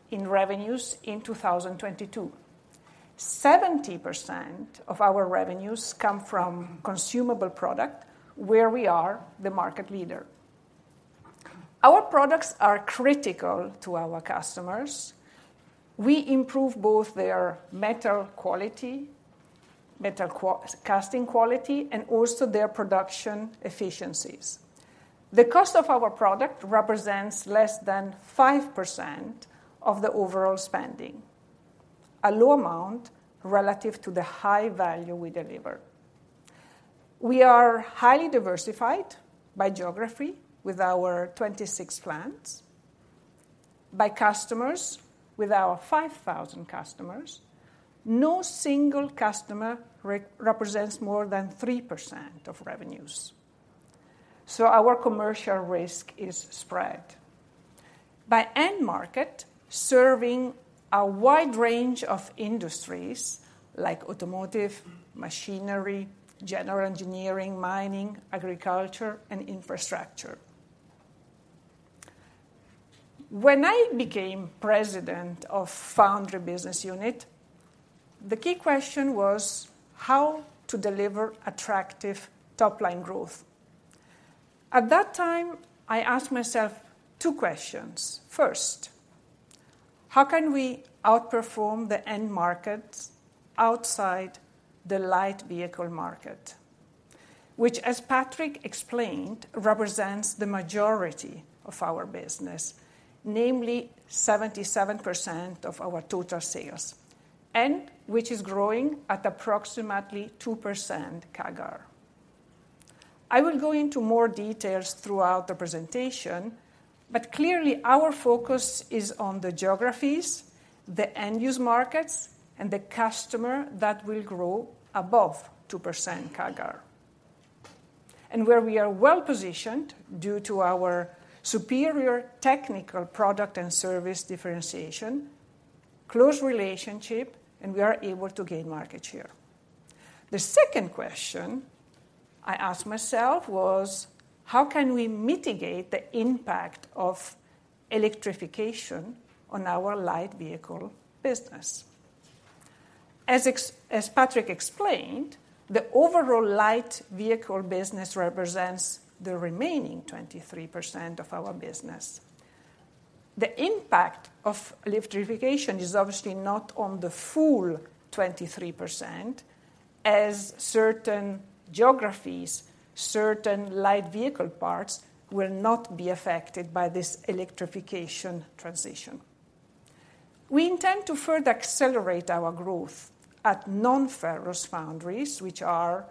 S4: in revenues in 2022. 70% of our revenues come from consumable product, where we are the market leader. Our products are critical to our customers. We improve both their metal quality, casting quality, and also their production efficiencies. The cost of our product represents less than 5% of the overall spending, a low amount relative to the high value we deliver. We are highly diversified by geography with our 26 plants, by customers, with our 5,000 customers. No single customer represents more than 3% of revenues, so our commercial risk is spread. By end market, serving a wide range of industries like automotive, machinery, general engineering, mining, agriculture, and infrastructure. When I became president of Foundry Business Unit, the key question was: how to deliver attractive top-line growth? At that time, I asked myself two questions. First, how can we outperform the end markets outside the light vehicle market, which, as Patrick explained, represents the majority of our business, namely 77% of our total sales, and which is growing at approximately 2% CAGR. I will go into more details throughout the presentation, but clearly, our focus is on the geographies, the end-use markets, and the customer that will grow above 2% CAGR, and where we are well-positioned due to our superior technical product and service differentiation, close relationship, and we are able to gain market share. The second question I asked myself was: how can we mitigate the impact of electrification on our light vehicle business? As Patrick explained, the overall light vehicle business represents the remaining 23% of our business. The impact of electrification is obviously not on the full 23%, as certain geographies, certain light vehicle parts, will not be affected by this electrification transition. We intend to further accelerate our growth at non-ferrous foundries, which are,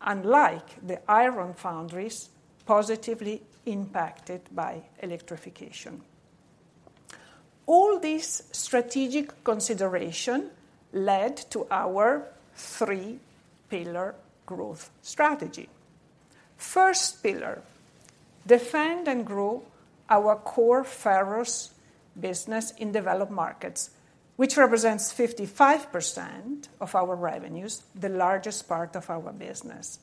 S4: unlike the iron foundries, positively impacted by electrification. All these strategic consideration led to our 3-pillar growth strategy. First pillar: defend and grow our core ferrous business in developed markets, which represents 55% of our revenues, the largest part of our business.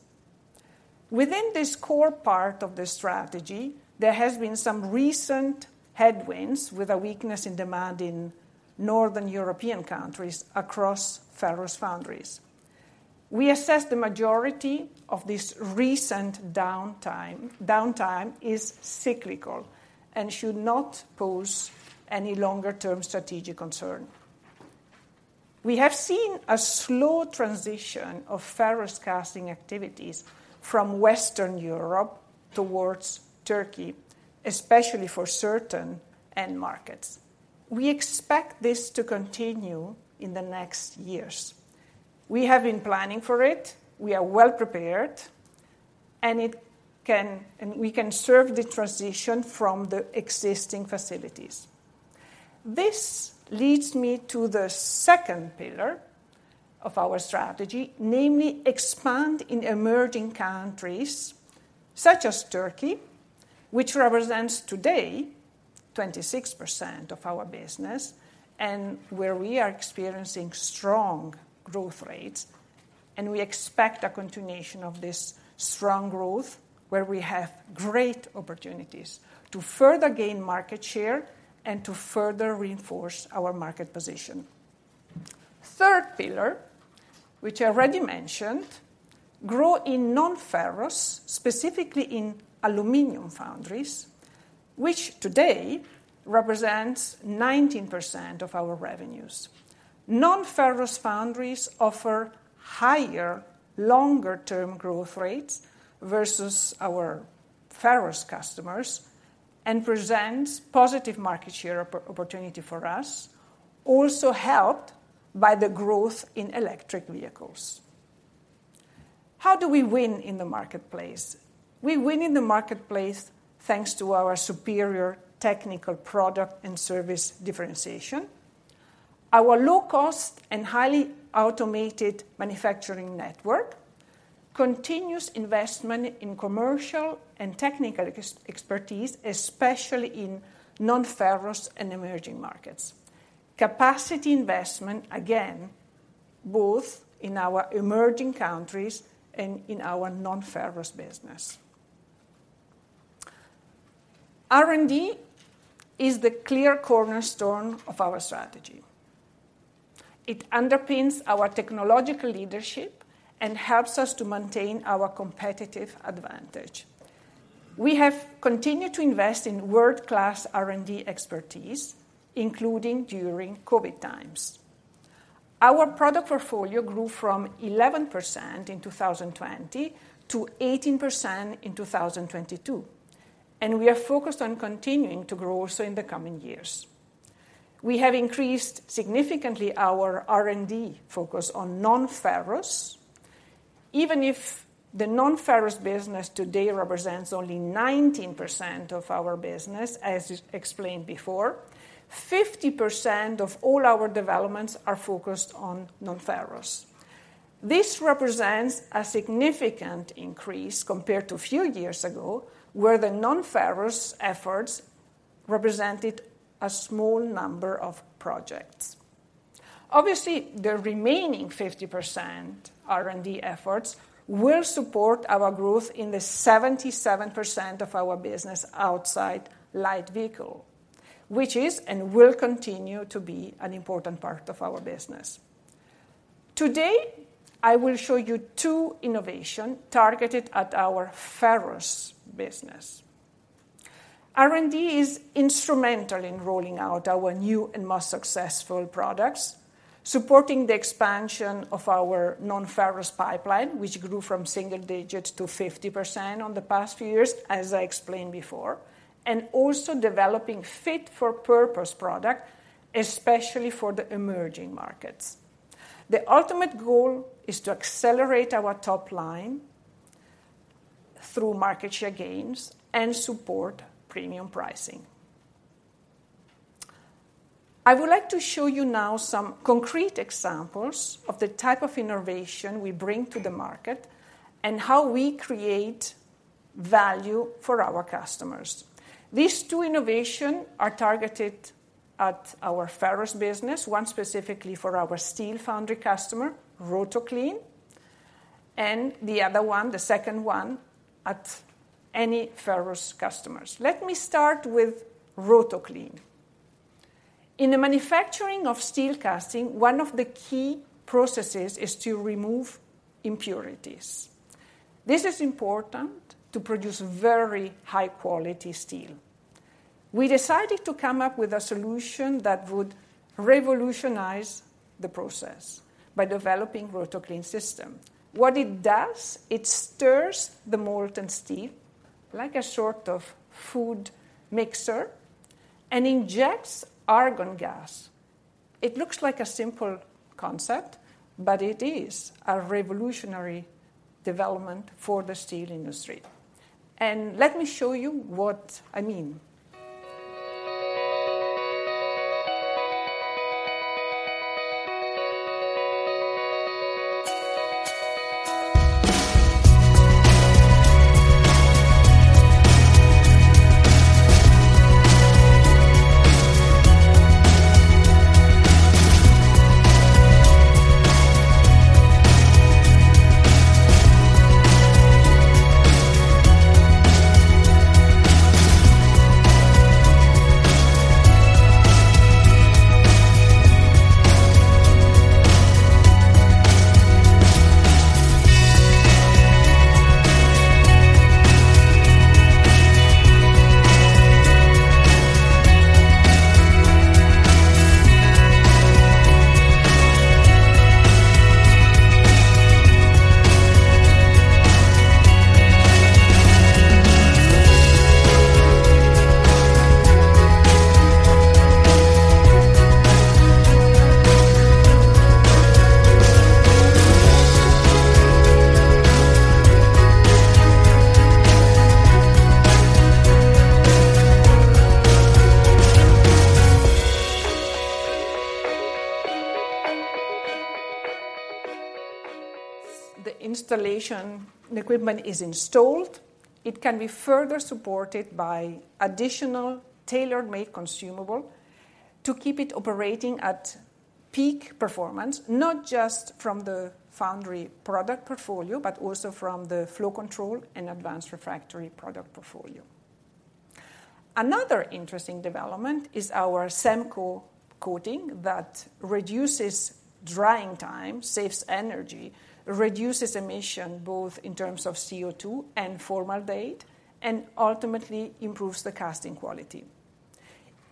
S4: Within this core part of the strategy, there has been some recent headwinds, with a weakness in demand in Northern European countries across ferrous foundries. We assess the majority of this recent downtime, downtime is cyclical and should not pose any longer-term strategic concern. We have seen a slow transition of ferrous casting activities from Western Europe towards Turkey, especially for certain end markets. We expect this to continue in the next years. We have been planning for it, we are well prepared, and it can and we can serve the transition from the existing facilities. This leads me to the second pillar of our strategy, namely, expand in emerging countries such as Turkey, which represents today 26% of our business, and where we are experiencing strong growth rates, and we expect a continuation of this strong growth, where we have great opportunities to further gain market share and to further reinforce our market position. Third pillar, which I already mentioned, grow in non-ferrous, specifically in aluminum foundries, which today represents 19% of our revenues. Non-ferrous foundries offer higher, longer-term growth rates versus our ferrous customers and presents positive market share opportunity for us, also helped by the growth in electric vehicles. How do we win in the marketplace? We win in the marketplace, thanks to our superior technical product and service differentiation, our low cost and highly automated manufacturing network, continuous investment in commercial and technical expertise, especially in non-ferrous and emerging markets. Capacity investment, again, both in our emerging countries and in our non-ferrous business. R&D is the clear cornerstone of our strategy. It underpins our technological leadership and helps us to maintain our competitive advantage. We have continued to invest in world-class R&D expertise, including during COVID times. Our product portfolio grew from 11% in 2020 to 18% in 2022, and we are focused on continuing to grow also in the coming years. We have increased significantly our R&D focus on non-ferrous. Even if the non-ferrous business today represents only 19% of our business, as explained before, 50% of all our developments are focused on non-ferrous. This represents a significant increase compared to a few years ago, where the non-ferrous efforts represented a small number of projects. Obviously, the remaining 50% R&D efforts will support our growth in the 77% of our business outside light vehicle, which is and will continue to be an important part of our business. Today, I will show you two innovations targeted at our ferrous business. R&D is instrumental in rolling out our new and most successful products, supporting the expansion of our non-ferrous pipeline, which grew from single digits to 50% in the past few years, as I explained before, and also developing fit-for-purpose products, especially for the emerging markets. The ultimate goal is to accelerate our top line through market share gains and support premium pricing. I would like to show you now some concrete examples of the type of innovation we bring to the market and how we create value for our customers. These two innovation are targeted at our ferrous business, one specifically for our steel foundry customer, Rotoclene, and the other one, the second one, at any ferrous customers. Let me start with Rotoclene. In the manufacturing of steel casting, one of the key processes is to remove impurities. This is important to produce very high-quality steel. We decided to come up with a solution that would revolutionize the process by developing Rotoclene system. What it does, it stirs the molten steel like a sort of food mixer and injects argon gas. It looks like a simple concept, but it is a revolutionary development for the steel industry. Let me show you what I mean. The installation, the equipment is installed, it can be further supported by additional tailor-made consumable to keep it operating at peak performance, not just from the Foundry product portfolio, but also from the Flow Control and Advanced Refractories product portfolio. Another interesting development is our SEMCO coating that reduces drying time, saves energy, reduces emissions, both in terms of CO2 and formaldehyde, and ultimately improves the casting quality.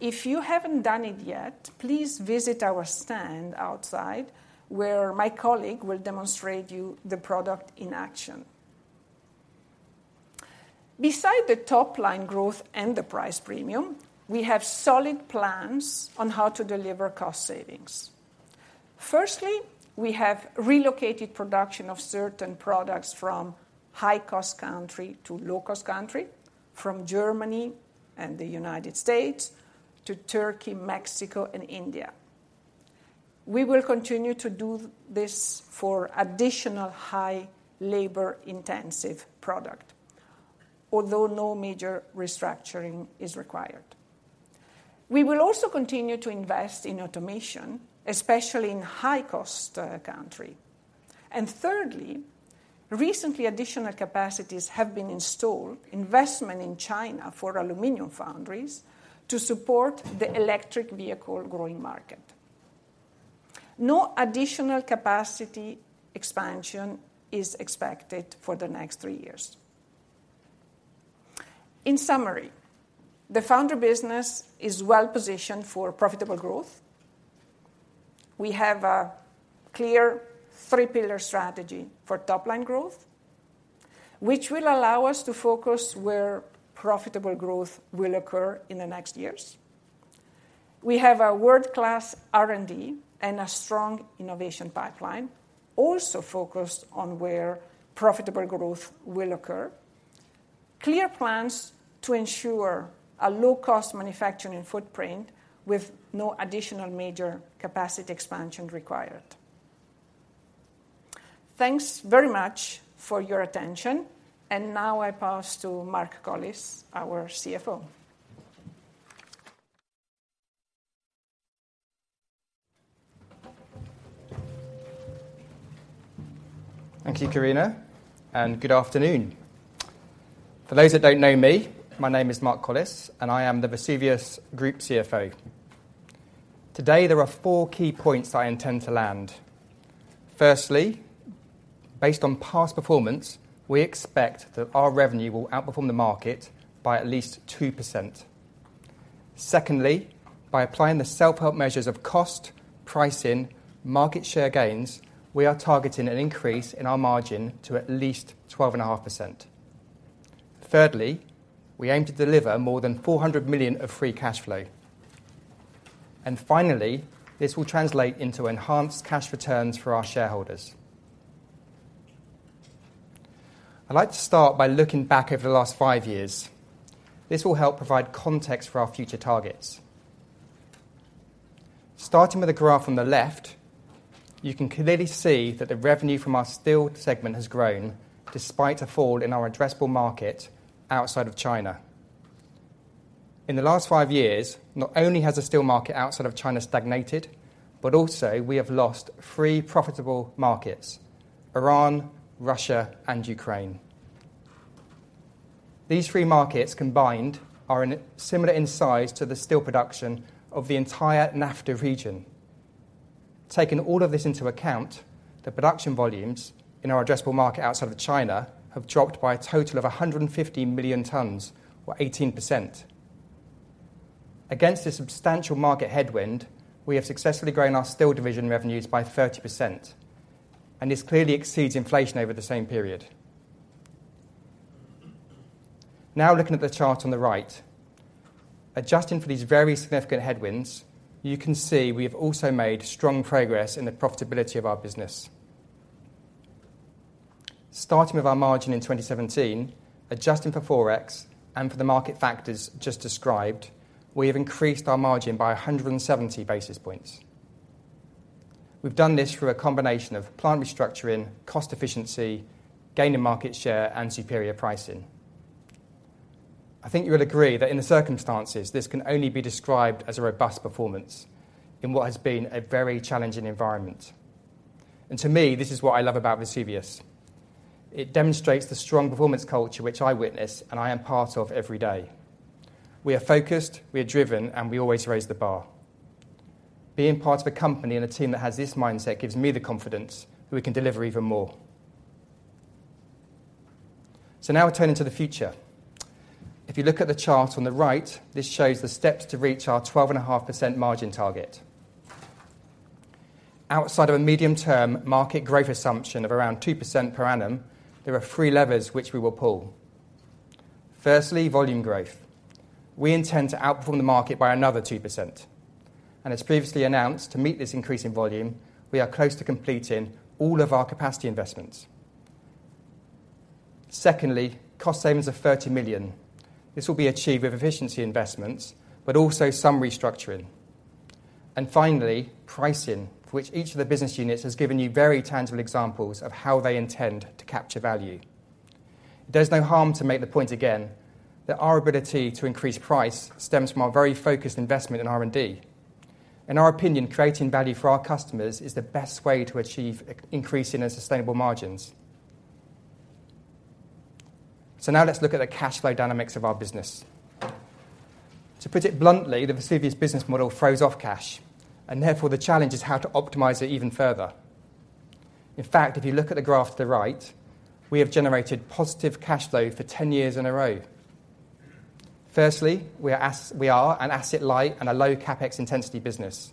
S4: If you haven't done it yet, please visit our stand outside, where my colleague will demonstrate you the product in action. Besides the top line growth and the price premium, we have solid plans on how to deliver cost savings. Firstly, we have relocated production of certain products from high-cost country to low-cost country, from Germany and the United States to Turkey, Mexico, and India. We will continue to do this for additional high labor-intensive product, although no major restructuring is required. We will also continue to invest in automation, especially in high-cost country. And thirdly, recently, additional capacities have been installed, investment in China for aluminum foundries to support the electric vehicle growing market. No additional capacity expansion is expected for the next 3 years. In summary, the foundry business is well positioned for profitable growth. We have a clear 3-pillar strategy for top-line growth, which will allow us to focus where profitable growth will occur in the next years. We have a world-class R&D and a strong innovation pipeline, also focused on where profitable growth will occur. Clear plans to ensure a low-cost manufacturing footprint with no additional major capacity expansion required. Thanks very much for your attention, and now I pass to Mark Collis, our CFO.
S5: Thank you, Karena, and good afternoon. For those that don't know me, my name is Mark Collis, and I am the Vesuvius Group CFO. Today, there are 4 key points I intend to land. Firstly, based on past performance, we expect that our revenue will outperform the market by at least 2%. Secondly, by applying the self-help measures of cost, pricing, market share gains, we are targeting an increase in our margin to at least 12.5%. Thirdly, we aim to deliver more than 400 million of free cash flow. And finally, this will translate into enhanced cash returns for our shareholders. I'd like to start by looking back over the last 5 years. This will help provide context for our future targets. Starting with the graph on the left, you can clearly see that the revenue from our steel segment has grown despite a fall in our addressable market outside of China. In the last five years, not only has the steel market outside of China stagnated, but also we have lost three profitable markets: Iran, Russia, and Ukraine. These three markets combined are similar in size to the steel production of the entire NAFTA region. Taking all of this into account, the production volumes in our addressable market outside of China have dropped by a total of 150 million tons or 18%. Against a substantial market headwind, we have successfully grown our steel division revenues by 30%, and this clearly exceeds inflation over the same period. Now, looking at the chart on the right, adjusting for these very significant headwinds, you can see we have also made strong progress in the profitability of our business. Starting with our margin in 2017, adjusting for Forex and for the market factors just described, we have increased our margin by 170 basis points. We've done this through a combination of plant restructuring, cost efficiency, gaining market share, and superior pricing. I think you would agree that in the circumstances, this can only be described as a robust performance in what has been a very challenging environment. And to me, this is what I love about Vesuvius. It demonstrates the strong performance culture which I witness and I am part of every day. We are focused, we are driven, and we always raise the bar. Being part of a company and a team that has this mindset gives me the confidence that we can deliver even more. So now we're turning to the future. If you look at the chart on the right, this shows the steps to reach our 12.5% margin target. Outside of a medium-term market growth assumption of around 2% per annum, there are three levers which we will pull. Firstly, volume growth. We intend to outperform the market by another 2%, and as previously announced, to meet this increase in volume, we are close to completing all of our capacity investments. Secondly, cost savings of 30 million. This will be achieved with efficiency investments, but also some restructuring. And finally, pricing, for which each of the business units has given you very tangible examples of how they intend to capture value. There's no harm to make the point again, that our ability to increase price stems from our very focused investment in R&D. In our opinion, creating value for our customers is the best way to achieve increase in our sustainable margins. So now let's look at the cash flow dynamics of our business. To put it bluntly, the Vesuvius business model throws off cash, and therefore, the challenge is how to optimize it even further. In fact, if you look at the graph to the right, we have generated positive cash flow for 10 years in a row. Firstly, we are an asset-light and a low CapEx intensity business.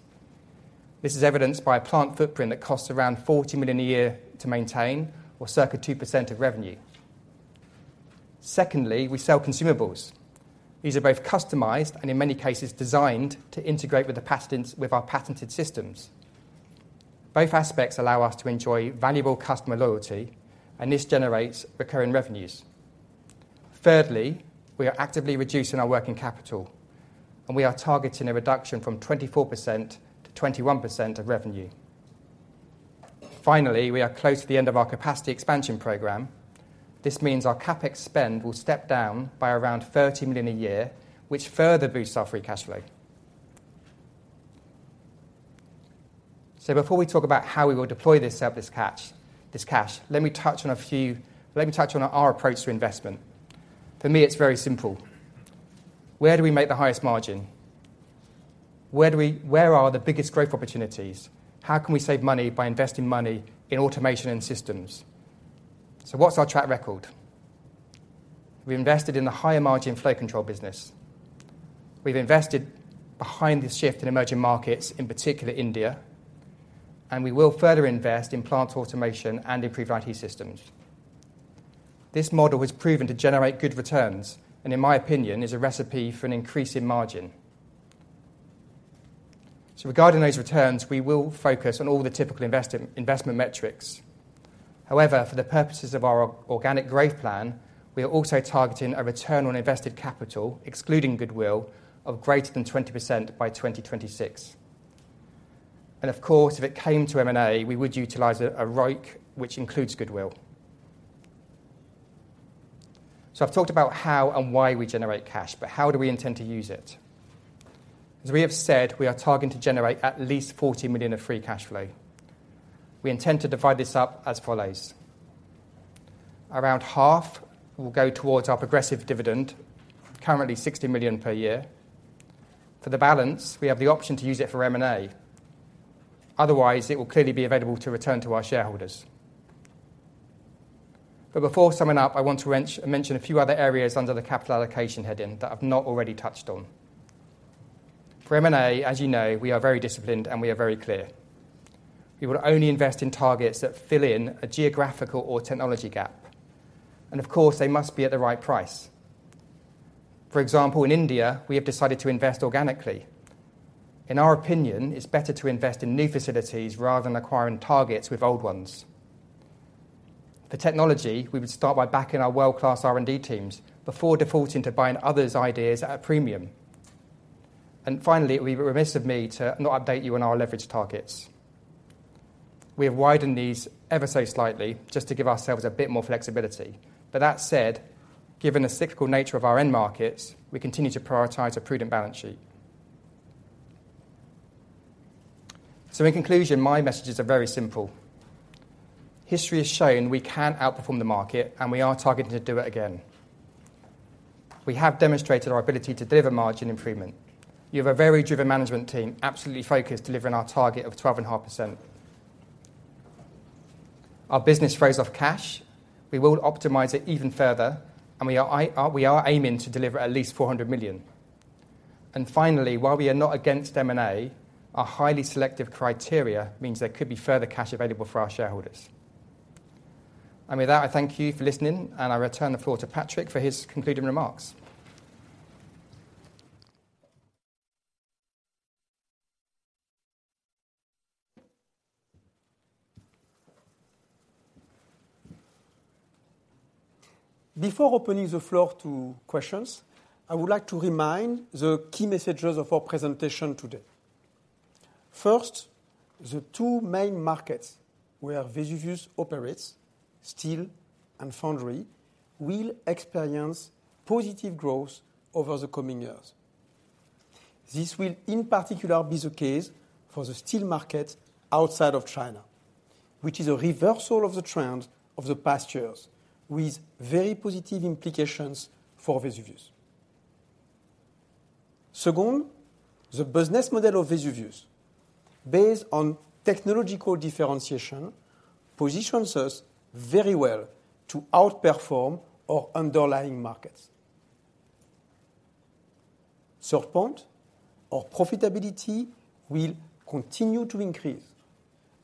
S5: This is evidenced by a plant footprint that costs around 40 million a year to maintain or circa 2% of revenue. Secondly, we sell consumables. These are both customized and, in many cases, designed to integrate with the patents, with our patented systems. Both aspects allow us to enjoy valuable customer loyalty, and this generates recurring revenues. Thirdly, we are actively reducing our working capital, and we are targeting a reduction from 24%-21% of revenue. Finally, we are close to the end of our capacity expansion program. This means our CapEx spend will step down by around 30 million a year, which further boosts our free cash flow. So before we talk about how we will deploy this surplus cash, let me touch on our approach to investment. For me, it's very simple. Where do we make the highest margin? Where are the biggest growth opportunities? How can we save money by investing money in automation and systems? What's our track record? We invested in the higher margin flow control business. We've invested behind the shift in emerging markets, in particular India, and we will further invest in plant automation and improved IT systems. This model was proven to generate good returns and, in my opinion, is a recipe for an increase in margin. Regarding those returns, we will focus on all the typical investment metrics. However, for the purposes of our organic growth plan, we are also targeting a return on invested capital, excluding goodwill, of greater than 20% by 2026. And of course, if it came to M&A, we would utilize a ROIC, which includes goodwill. I've talked about how and why we generate cash, but how do we intend to use it? As we have said, we are targeting to generate at least 40 million of free cash flow. We intend to divide this up as follows: around half will go towards our progressive dividend, currently 60 million per year. For the balance, we have the option to use it for M&A. Otherwise, it will clearly be available to return to our shareholders. But before summing up, I want to mention a few other areas under the capital allocation heading that I've not already touched on. For M&A, as you know, we are very disciplined, and we are very clear. We will only invest in targets that fill in a geographical or technology gap, and of course, they must be at the right price. For example, in India, we have decided to invest organically. In our opinion, it's better to invest in new facilities rather than acquiring targets with old ones. For technology, we would start by backing our world-class R&D teams before defaulting to buying others' ideas at a premium. And finally, it would be remiss of me to not update you on our leverage targets. We have widened these ever so slightly just to give ourselves a bit more flexibility. But that said, given the cyclical nature of our end markets, we continue to prioritize a prudent balance sheet. So in conclusion, my messages are very simple. History has shown we can outperform the market, and we are targeting to do it again. We have demonstrated our ability to deliver margin improvement. We have a very driven management team, absolutely focused, delivering our target of 12.5%. Our business throws off cash. We will optimize it even further, and we are aiming to deliver at least 400 million. Finally, while we are not against M&A, our highly selective criteria means there could be further cash available for our shareholders. With that, I thank you for listening, and I return the floor to Patrick for his concluding remarks.
S1: Before opening the floor to questions, I would like to remind the key messages of our presentation today. First, the two main markets where Vesuvius operates, steel and foundry, will experience positive growth over the coming years. This will in particular be the case for the steel market outside of China, which is a reversal of the trend of the past years, with very positive implications for Vesuvius. Second, the business model of Vesuvius, based on technological differentiation, positions us very well to outperform our underlying markets. Third point, our profitability will continue to increase,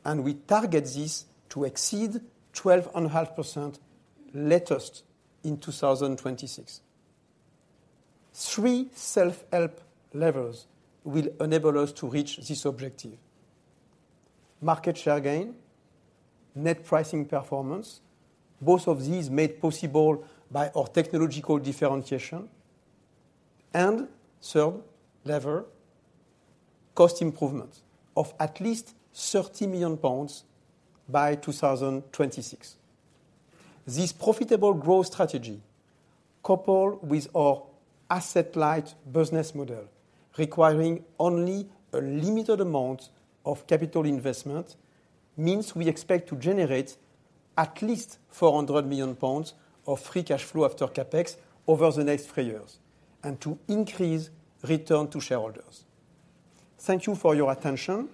S1: and we target this to exceed 12.5% latest in 2026. Three self-help levers will enable us to reach this objective: market share gain, net pricing performance, both of these made possible by our technological differentiation, and third lever, cost improvement of at least 30 million pounds by 2026. This profitable growth strategy, coupled with our asset-light business model, requiring only a limited amount of capital investment, means we expect to generate at least 400 million pounds of free cash flow after CapEx over the next three years, and to increase return to shareholders. Thank you for your attention.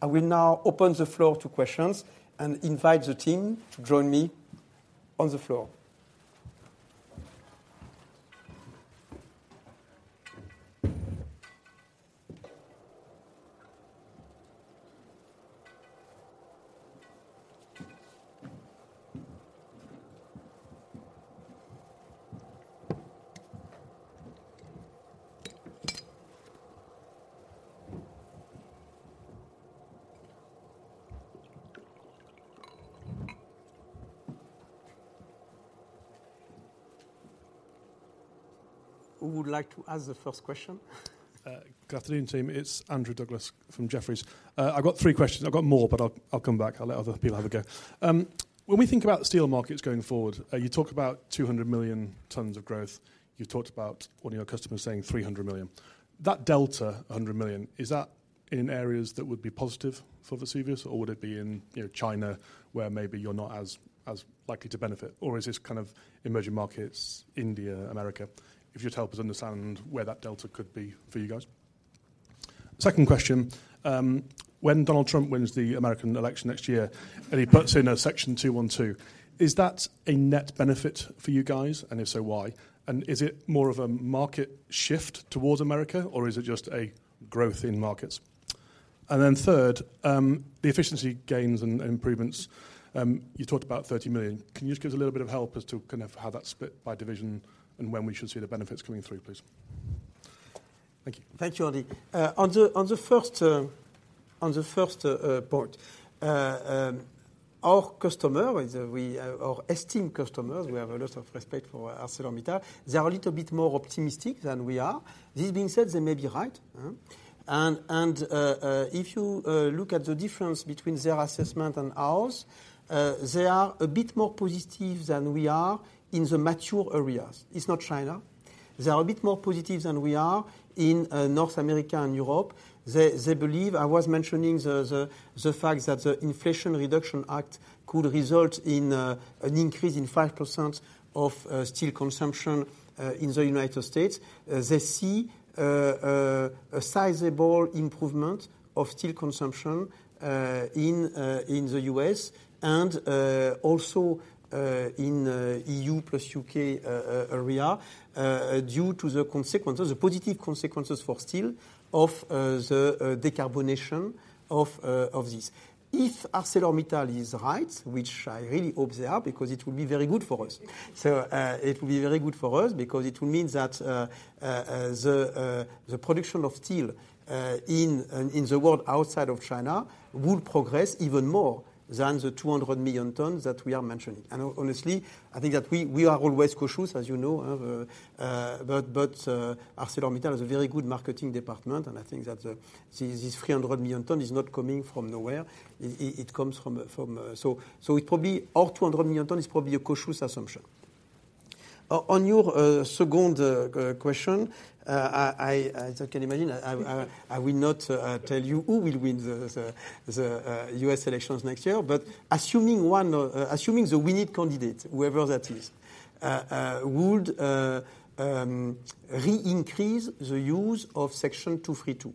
S1: I will now open the floor to questions and invite the team to join me on the floor. Who would like to ask the first question?
S6: Good afternoon, team. It's Andrew Douglas from Jefferies. I've got three questions. I've got more, but I'll, I'll come back. I'll let other people have a go. When we think about steel markets going forward, you talk about 200 million tons of growth. You've talked about one of your customers saying 300 million. That delta, 100 million, is that in areas that would be positive for Vesuvius, or would it be in, you know, China, where maybe you're not as, as likely to benefit? Or is this kind of emerging markets, India, America? If you'd help us understand where that delta could be for you guys. Second question, when Donald Trump wins the American election next year, and he puts in a Section 232, is that a net benefit for you guys? And if so, why? And is it more of a market shift towards America, or is it just a growth in markets? And then third, the efficiency gains and, and improvements, you talked about 30 million. Can you just give us a little bit of help as to kind of how that's split by division and when we should see the benefits coming through, please? Thank you.
S1: Thank you, Andy. On the first point, our esteemed customers, we have a lot of respect for ArcelorMittal. They are a little bit more optimistic than we are. This being said, they may be right? If you look at the difference between their assessment and ours, they are a bit more positive than we are in the mature areas. It's not China. They are a bit more positive than we are in North America and Europe. They believe, I was mentioning the fact that the Inflation Reduction Act could result in an increase in 5% of steel consumption in the United States. They see a sizable improvement of steel consumption in the U.S. and also in the E.U. plus U.K. area due to the consequences, the positive consequences for steel of the decarbonization of this. If ArcelorMittal is right, which I really hope they are, because it will be very good for us. So, it will be very good for us because it will mean that the production of steel in the world outside of China will progress even more than the 200 million tons that we are mentioning. And honestly, I think that we are always cautious, as you know, but ArcelorMittal is a very good marketing department, and I think that this 300 million ton is not coming from nowhere. It comes from... So it probably, our 200 million ton is probably a cautious assumption. On your second question, I will not tell you who will win the U.S. elections next year. But assuming one, assuming the winning candidate, whoever that is, would re-increase the use of Section 232.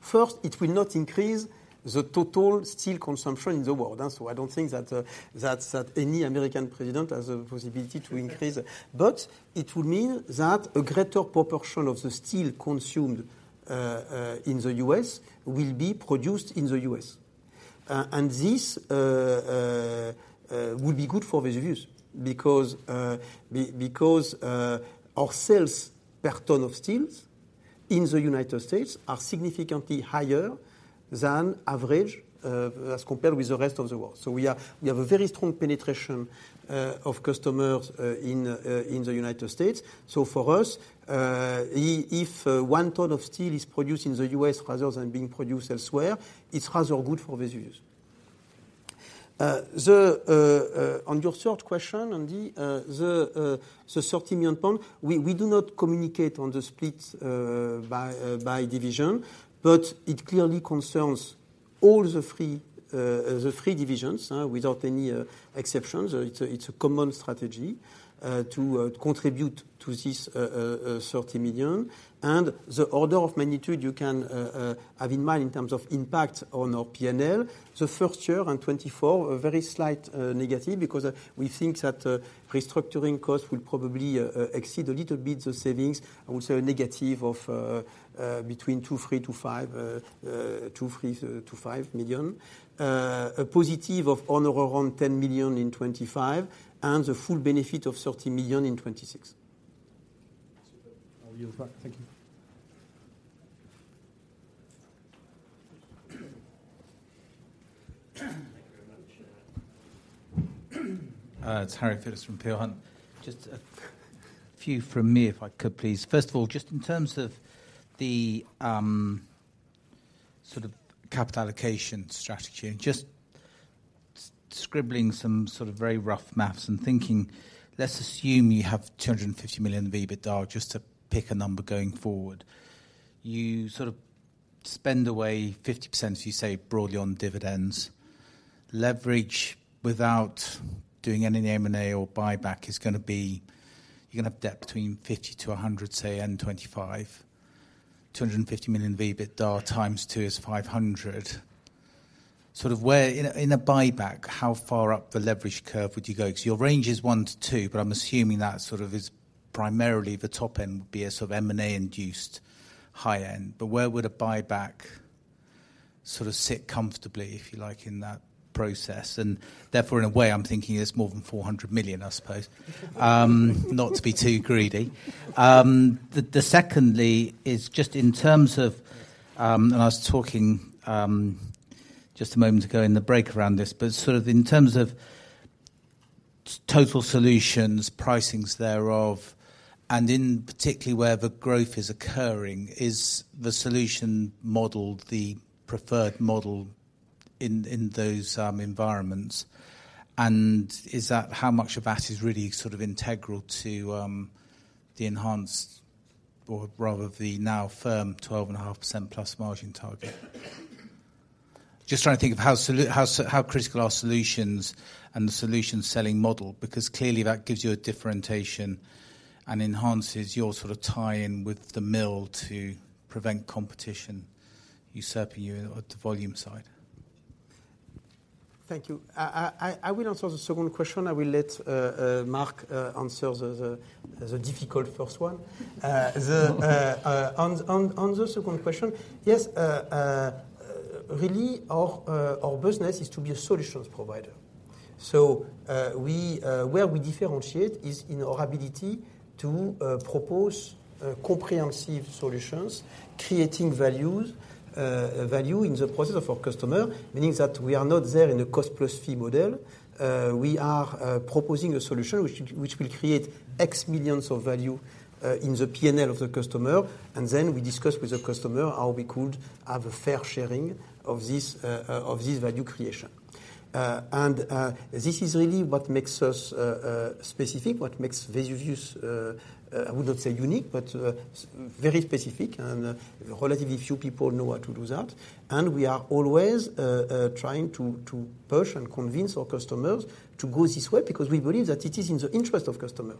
S1: First, it will not increase the total steel consumption in the world, so I don't think that that any American president has a possibility to increase. But it will mean that a greater proportion of the steel consumed in the U.S. will be produced in the U.S. And this will be good for Vesuvius because our sales per ton of steels in the United States are significantly higher than average as compared with the rest of the world. So we have a very strong penetration of customers in the United States. So for us, if one ton of steel is produced in the U.S. rather than being produced elsewhere, it's rather good for Vesuvius. On your third question, Andy, the 30 million pounds, we do not communicate on the split by division, but it clearly concerns all the three divisions without any exceptions. So it's a common strategy to contribute to this 30 million. And the order of magnitude you can have in mind in terms of impact on our P&L, the first year in 2024, a very slight negative, because we think that restructuring costs will probably exceed a little bit the savings, and also a negative of between 2-3 to 5 million. A positive of on or around 10 million in 2025, and the full benefit of 30 million in 2026.
S6: I'll yield back. Thank you.
S7: Thank you very much. It's Harry Phillips from Peel Hunt. Just a few from me, if I could, please. First of all, just in terms of the sort of capital allocation strategy, and just scribbling some sort of very rough maths and thinking, let's assume you have 250 million EBITDA, just to pick a number going forward. You sort of spend away 50%, as you say, broadly on dividends. Leverage without doing any M&A or buyback is gonna be. You're gonna have debt between 50-100, say, and 25. 250 million EBITDA times two is 500. Sort of where, in a buyback, how far up the leverage curve would you go? Because your range is 1-2, but I'm assuming that sort of is primarily the top end, would be a sort of M&A-induced high end. But where would a buyback sort of sit comfortably, if you like, in that process? And therefore, in a way, I'm thinking it's more than 400 million, I suppose. Not to be too greedy. Secondly is just in terms of... And I was talking just a moment ago in the break around this, but sort of in terms of total solutions, pricings thereof, and in particular where the growth is occurring, is the solution model, the preferred model in those environments? And is that, how much of that is really sort of integral to the enhanced or rather the now firm 12.5%+ margin target? Just trying to think of how critical are solutions and the solution selling model, because clearly that gives you a differentiation and enhances your sort of tie-in with the mill to prevent competition usurping you at the volume side.
S1: Thank you. I will answer the second question. I will let Mark answer the difficult first one. On the second question, yes, really, our business is to be a solutions provider. So, where we differentiate is in our ability to propose comprehensive solutions, creating value in the process of our customer, meaning that we are not there in a cost-plus fee model. We are proposing a solution which will create X millions of value in the P&L of the customer, and then we discuss with the customer how we could have a fair sharing of this value creation. This is really what makes us specific, what makes Vesuvius—I would not say unique, but very specific—and relatively few people know how to do that. We are always trying to push and convince our customers to go this way, because we believe that it is in the interest of customer.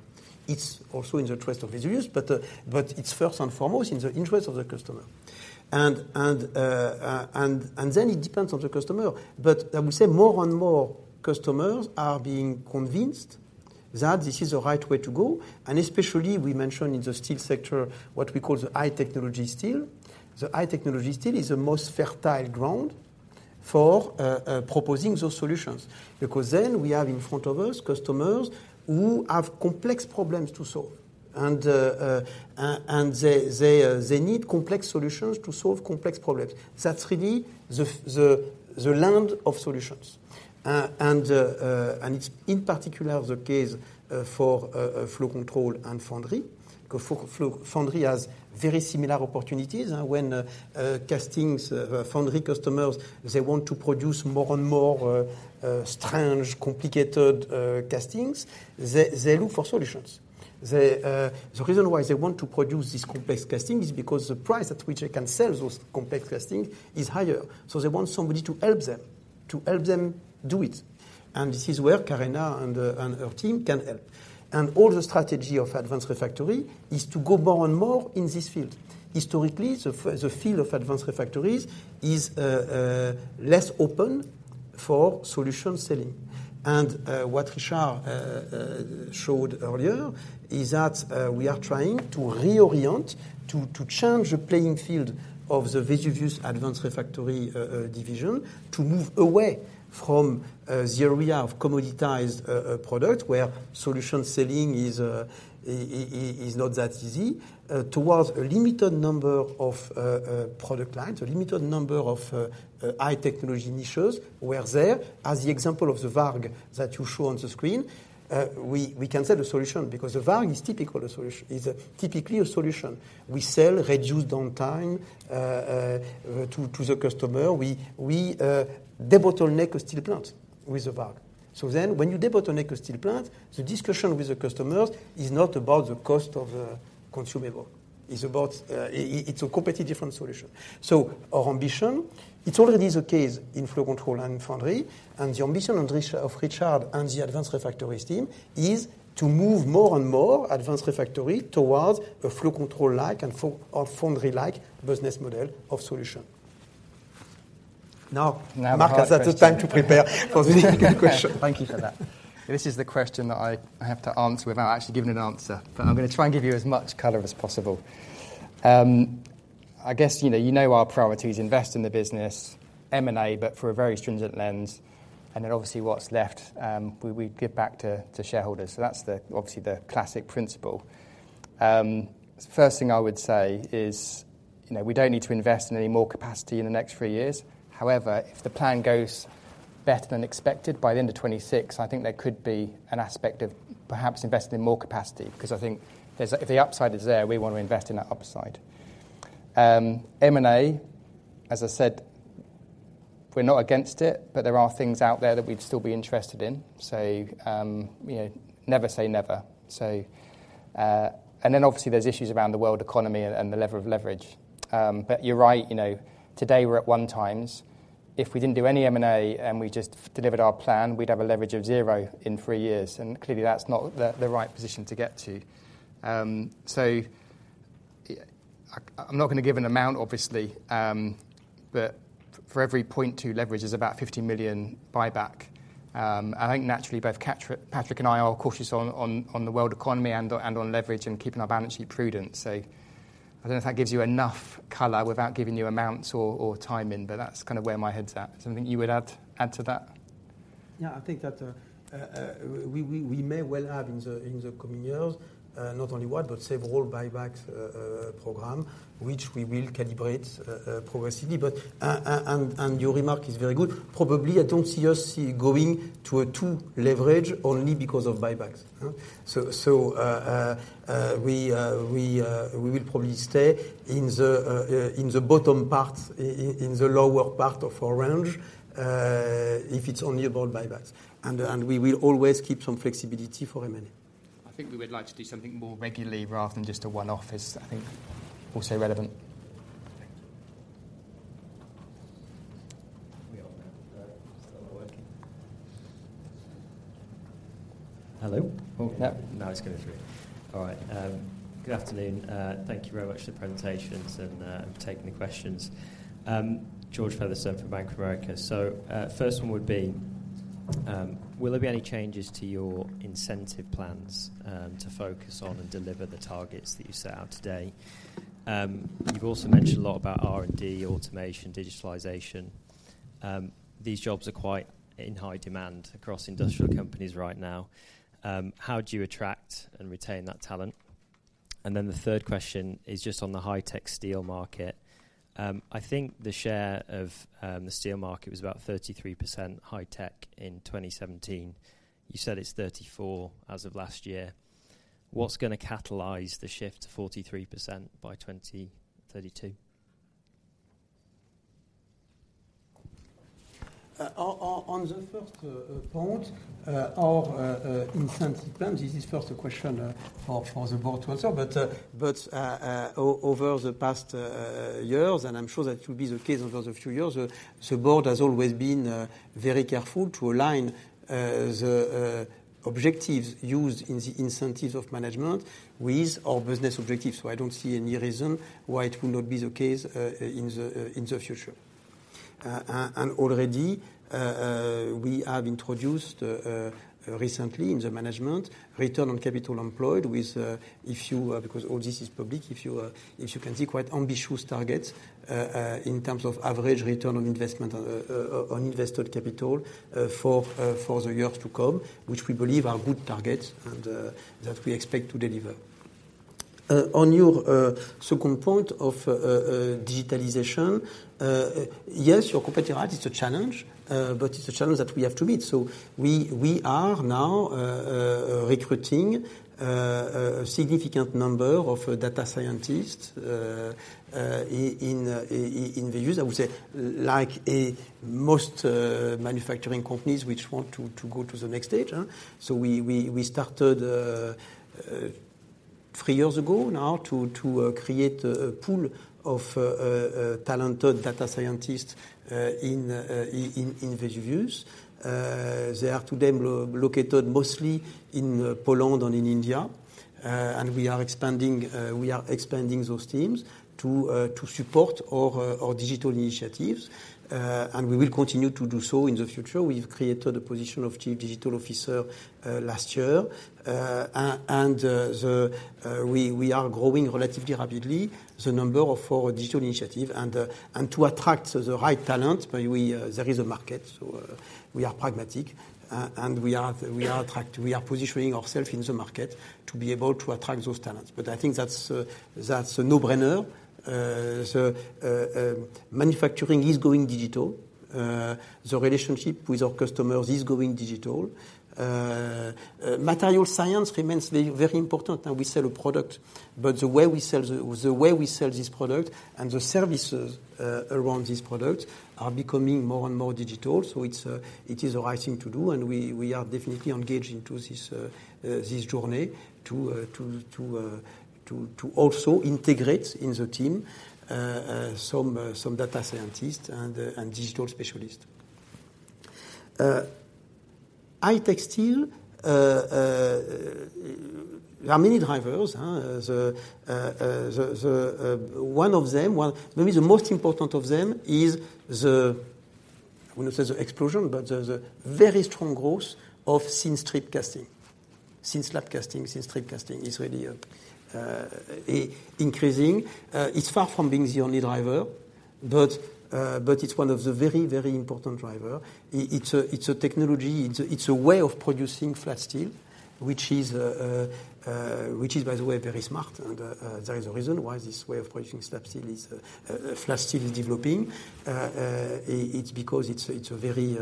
S1: It's also in the interest of Vesuvius, but it's first and foremost in the interest of the customer. And then it depends on the customer. But I would say more and more customers are being convinced that this is the right way to go, and especially we mentioned in the steel sector, what we call the high-technology steel. The high-technology steel is the most fertile ground for proposing those solutions, because then we have in front of us customers who have complex problems to solve. And they need complex solutions to solve complex problems. That's really the land of solutions. And it's in particular the case for Flow Control and Foundry. Foundry has very similar opportunities when foundry customers want to produce more and more strange, complicated castings. They look for solutions. The reason why they want to produce this complex casting is because the price at which they can sell those complex casting is higher. So they want somebody to help them, to help them do it. This is where Karena and her team can help. All the strategy of advanced refractories is to go more and more in this field. Historically, the field of advanced refractories is less open for solution selling, and what Richard showed earlier is that we are trying to reorient, to change the playing field of the Vesuvius Advanced Refractories division, to move away from the area of commoditized product, where solution selling is not that easy, towards a limited number of product lines, a limited number of high-technology niches, where there, as the example of the VARG that you show on the screen, we can sell the solution because the VARG is typically a solution. We sell reduced downtime to the customer. We debottleneck a steel plant with the VARG. So then when you debottleneck a steel plant, the discussion with the customers is not about the cost of the consumable. It's about. It's a completely different solution. So our ambition, it's already the case in Flow Control and Foundry, and the ambition of Richard and the Advanced Refractories team, is to move more and more Advanced Refractories towards a Flow Control-like and Foundry-like business model of solution. Now, Marcus, have the time to prepare for the next question.
S5: Thank you for that. This is the question that I, I have to answer without actually giving an answer, but I'm gonna try and give you as much color as possible. I guess, you know, you know our priorities, invest in the business, M&A, but through a very stringent lens, and then, obviously, what's left, we, we give back to, to shareholders. So that's the, obviously, the classic principle. The first thing I would say is, you know, we don't need to invest in any more capacity in the next three years. However, if the plan goes better than expected by the end of 2026, I think there could be an aspect of perhaps investing in more capacity, 'cause I think there's—If the upside is there, we want to invest in that upside. M&A, as I said, we're not against it, but there are things out there that we'd still be interested in. So, you know, never say never. And then, obviously, there's issues around the world economy and the level of leverage. But you're right, you know, today we're at 1x. If we didn't do any M&A, and we just delivered our plan, we'd have a leverage of zero in three years, and clearly that's not the right position to get to. So I, I'm not going to give an amount, obviously, but for every 0.2 leverage is about 50 million buyback. I think naturally both Karena, Patrick and I are cautious on the world economy and on leverage and keeping our balance sheet prudent. So I don't know if that gives you enough color without giving you amounts or, or timing, but that's kind of where my head's at. Something you would add, add to that?
S1: Yeah, I think that we may well have in the coming years not only one, but several buybacks program, which we will calibrate progressively. But your remark is very good. Probably, I don't see us going to a two leverage only because of buybacks. So we will probably stay in the bottom part, in the lower part of our range, if it's only about buybacks, and we will always keep some flexibility for M&A.
S5: I think we would like to do something more regularly rather than just a one-off is, I think, also relevant.
S8: We are now... Still not working? Hello? Oh, now, now it's going through. All right. Good afternoon. Thank you very much for the presentations and taking the questions. George Featherstone from Bank of America. So, first one would be, will there be any changes to your incentive plans, to focus on and deliver the targets that you set out today? You've also mentioned a lot about R&D, automation, digitalization. These jobs are quite in high demand across industrial companies right now. How do you attract and retain that talent? And then the third question is just on the high-tech steel market. I think the share of the steel market was about 33% high-tech in 2017. You said it's 34% as of last year. What's gonna catalyze the shift to 43% by 2032?
S1: On the first point, our incentive plan, this is first a question for the board to answer. But over the past years, and I'm sure that will be the case over the few years, the board has always been very careful to align the objectives used in the incentives of management with our business objectives. So I don't see any reason why it will not be the case in the future. And already we have introduced recently in the management return on capital employed with, if you... Because all this is public. If you can see quite ambitious targets in terms of average return on investment on invested capital for the years to come, which we believe are good targets and that we expect to deliver. On your second point of digitalization, yes, you're completely right. It's a challenge, but it's a challenge that we have to meet. So we are now recruiting a significant number of data scientists in the years. I would say like most manufacturing companies which want to go to the next stage, so we started... Three years ago now to create a pool of talented data scientists in Vesuvius. They are today located mostly in Poland and in India. And we are expanding those teams to support our digital initiatives, and we will continue to do so in the future. We've created a position of Chief Digital Officer last year. And we are growing relatively rapidly the number of our digital initiative. And to attract the right talent, but there is a market. So we are pragmatic, and we are positioning ourselves in the market to be able to attract those talents. But I think that's a no-brainer. So, manufacturing is going digital. The relationship with our customers is going digital. Material science remains very, very important, and we sell a product, but the way we sell this product and the services around this product are becoming more and more digital. So, it is the right thing to do, and we are definitely engaged into this journey to also integrate in the team some data scientists and digital specialists. High-tech steel. There are many drivers, huh? One of them, well, maybe the most important of them is the... I wouldn't say the explosion, but the very strong growth of thin slab casting. Thin Slab Casting, Thin Strip Casting is really increasing. It's far from being the only driver, but it's one of the very, very important driver. It's a technology, it's a way of producing flat steel, which is, by the way, very smart. And there is a reason why this way of producing slab steel is flat steel is developing. It's because it's a very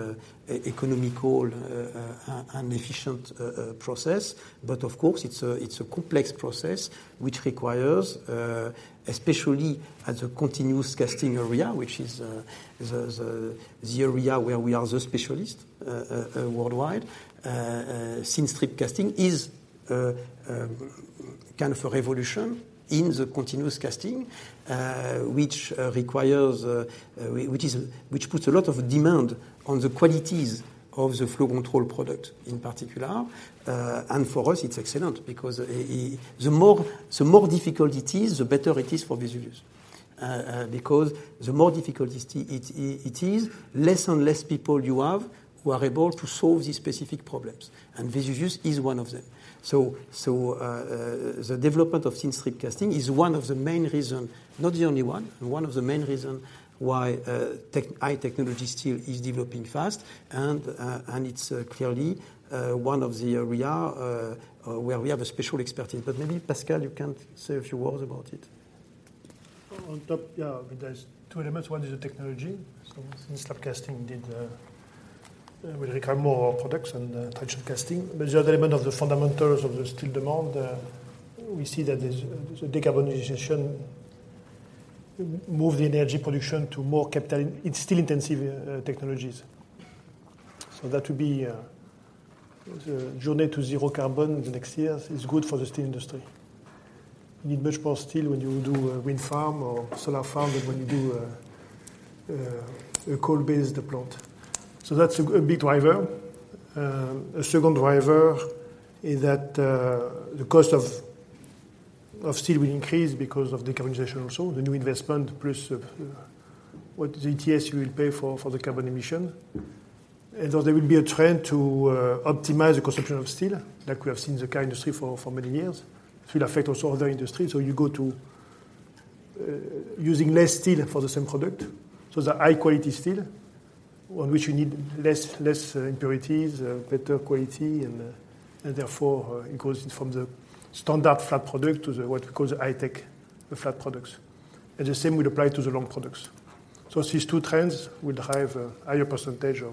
S1: economical and efficient process. But of course, it's a complex process, which requires especially at the Continuous Casting area, which is the area where we are the specialist worldwide. Thin strip casting is kind of a revolution in the continuous casting, which puts a lot of demand on the qualities of the flow control product in particular. And for us, it's excellent because the more difficult it is, the better it is for Vesuvius. Because the more difficult it is, it is less and less people you have who are able to solve these specific problems, and Vesuvius is one of them. So, the development of thin strip casting is one of the main reason, not the only one, but one of the main reason why high technology steel is developing fast, and it's clearly one of the area where we have a special expertise. Maybe, Pascal, you can say a few words about it.
S2: On top, yeah, there's two elements. One is the technology. So since thin slab casting will require more products and tundish casting. But the other element of the fundamentals of the steel demand, we see that there's the decarbonization move in the energy production to more capital-intensive technologies. So that would be the journey to zero carbon in the next years is good for the steel industry. You need much more steel when you do a wind farm or solar farm than when you do a coal-based plant. So that's a big driver. A second driver is that the cost of steel will increase because of decarbonization, also the new investment, plus what the ETS will pay for the carbon emission. And so there will be a trend to optimize the consumption of steel, like we have seen in the car industry for many years. It will affect also other industries. So you go to using less steel for the same product. So the high-quality steel, on which you need less impurities, better quality, and therefore, it goes from the standard flat product to what we call the high-tech flat products. And the same would apply to the long products. So these two trends would drive a higher percentage of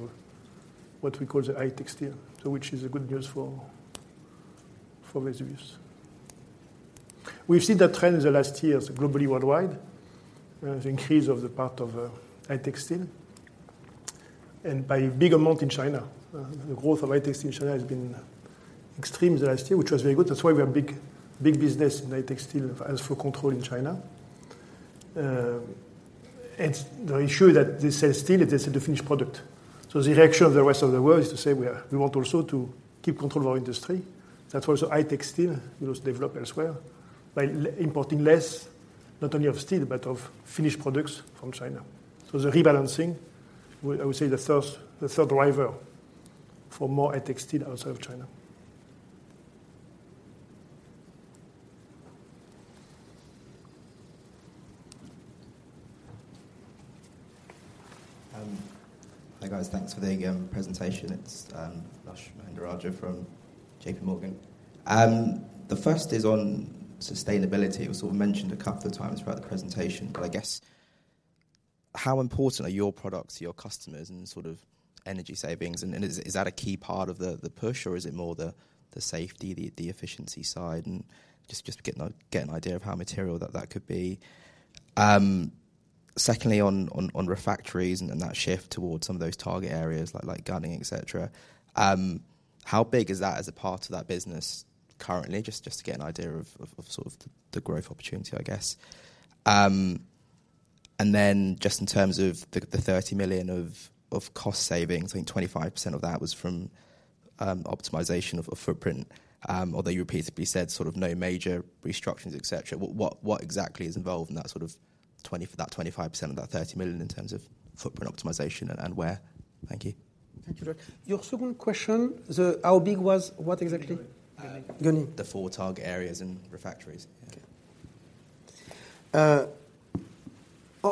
S2: what we call the high-tech steel, so which is good news for Vesuvius. We've seen that trend in the last years, globally, worldwide, the increase of the part of high-tech steel, and by big amount in China. The growth of high-tech steel in China has been extreme the last year, which was very good. That's why we have big, big business in high-tech steel as for Flow Control in China. And the issue that this special steel, it is a finished product. So the reaction of the rest of the world is to say, we want also to keep control of our industry. That's why the high-tech steel was developed elsewhere, by importing less, not only of steel, but of finished products from China. So the rebalancing, I would say, the third driver for more high-tech steel outside of China.
S9: Hi, guys. Thanks for the presentation. It's Lush Mahendrarajah from JPMorgan. The first is on sustainability. It was sort of mentioned a couple of times throughout the presentation, but I guess, how important are your products to your customers and sort of energy savings? And is that a key part of the push, or is it more the safety, the efficiency side? And just to get an idea of how material that could be. Secondly, on refractories and that shift towards some of those target areas like gunning, et cetera, how big is that as a part of that business currently? Just to get an idea of sort of the growth opportunity, I guess. And then just in terms of the 30 million of cost savings, I think 25% of that was from optimization of footprint, although you repeatedly said sort of no major restructurings, et cetera. What exactly is involved in that 25% of that 30 million in terms of footprint optimization and where? Thank you.
S1: Thank you. Your second question, the how big was what exactly?
S9: Uh-
S1: Gunning.
S9: The four target areas in refractories.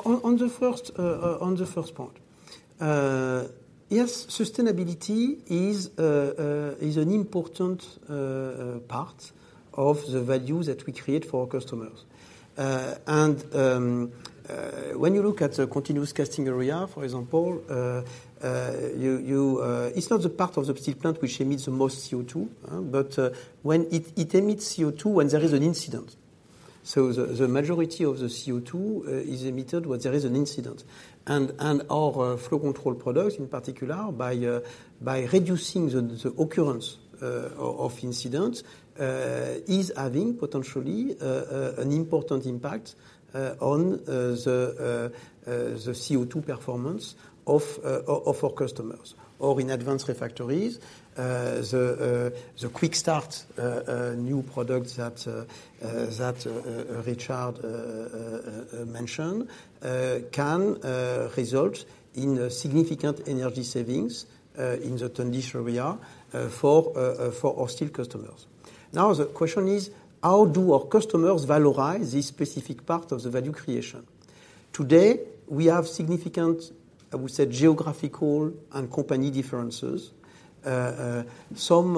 S1: On the first point, yes, sustainability is an important part of the value that we create for our customers. And, when you look at the continuous casting area, for example, it's not the part of the steel plant which emits the most CO2, but when it emits CO2 when there is an incident. So the majority of the CO2 is emitted when there is an incident. And our flow control products, in particular, by reducing the occurrence of incidents, is having potentially an important impact on the CO2 performance of our customers. Or in Advanced Refractories, the QuickStart new products that Richard mentioned can result in a significant energy savings in the tundish area for our steel customers. Now, the question is: How do our customers valorize this specific part of the value creation? Today, we have significant, I would say, geographical and company differences, some,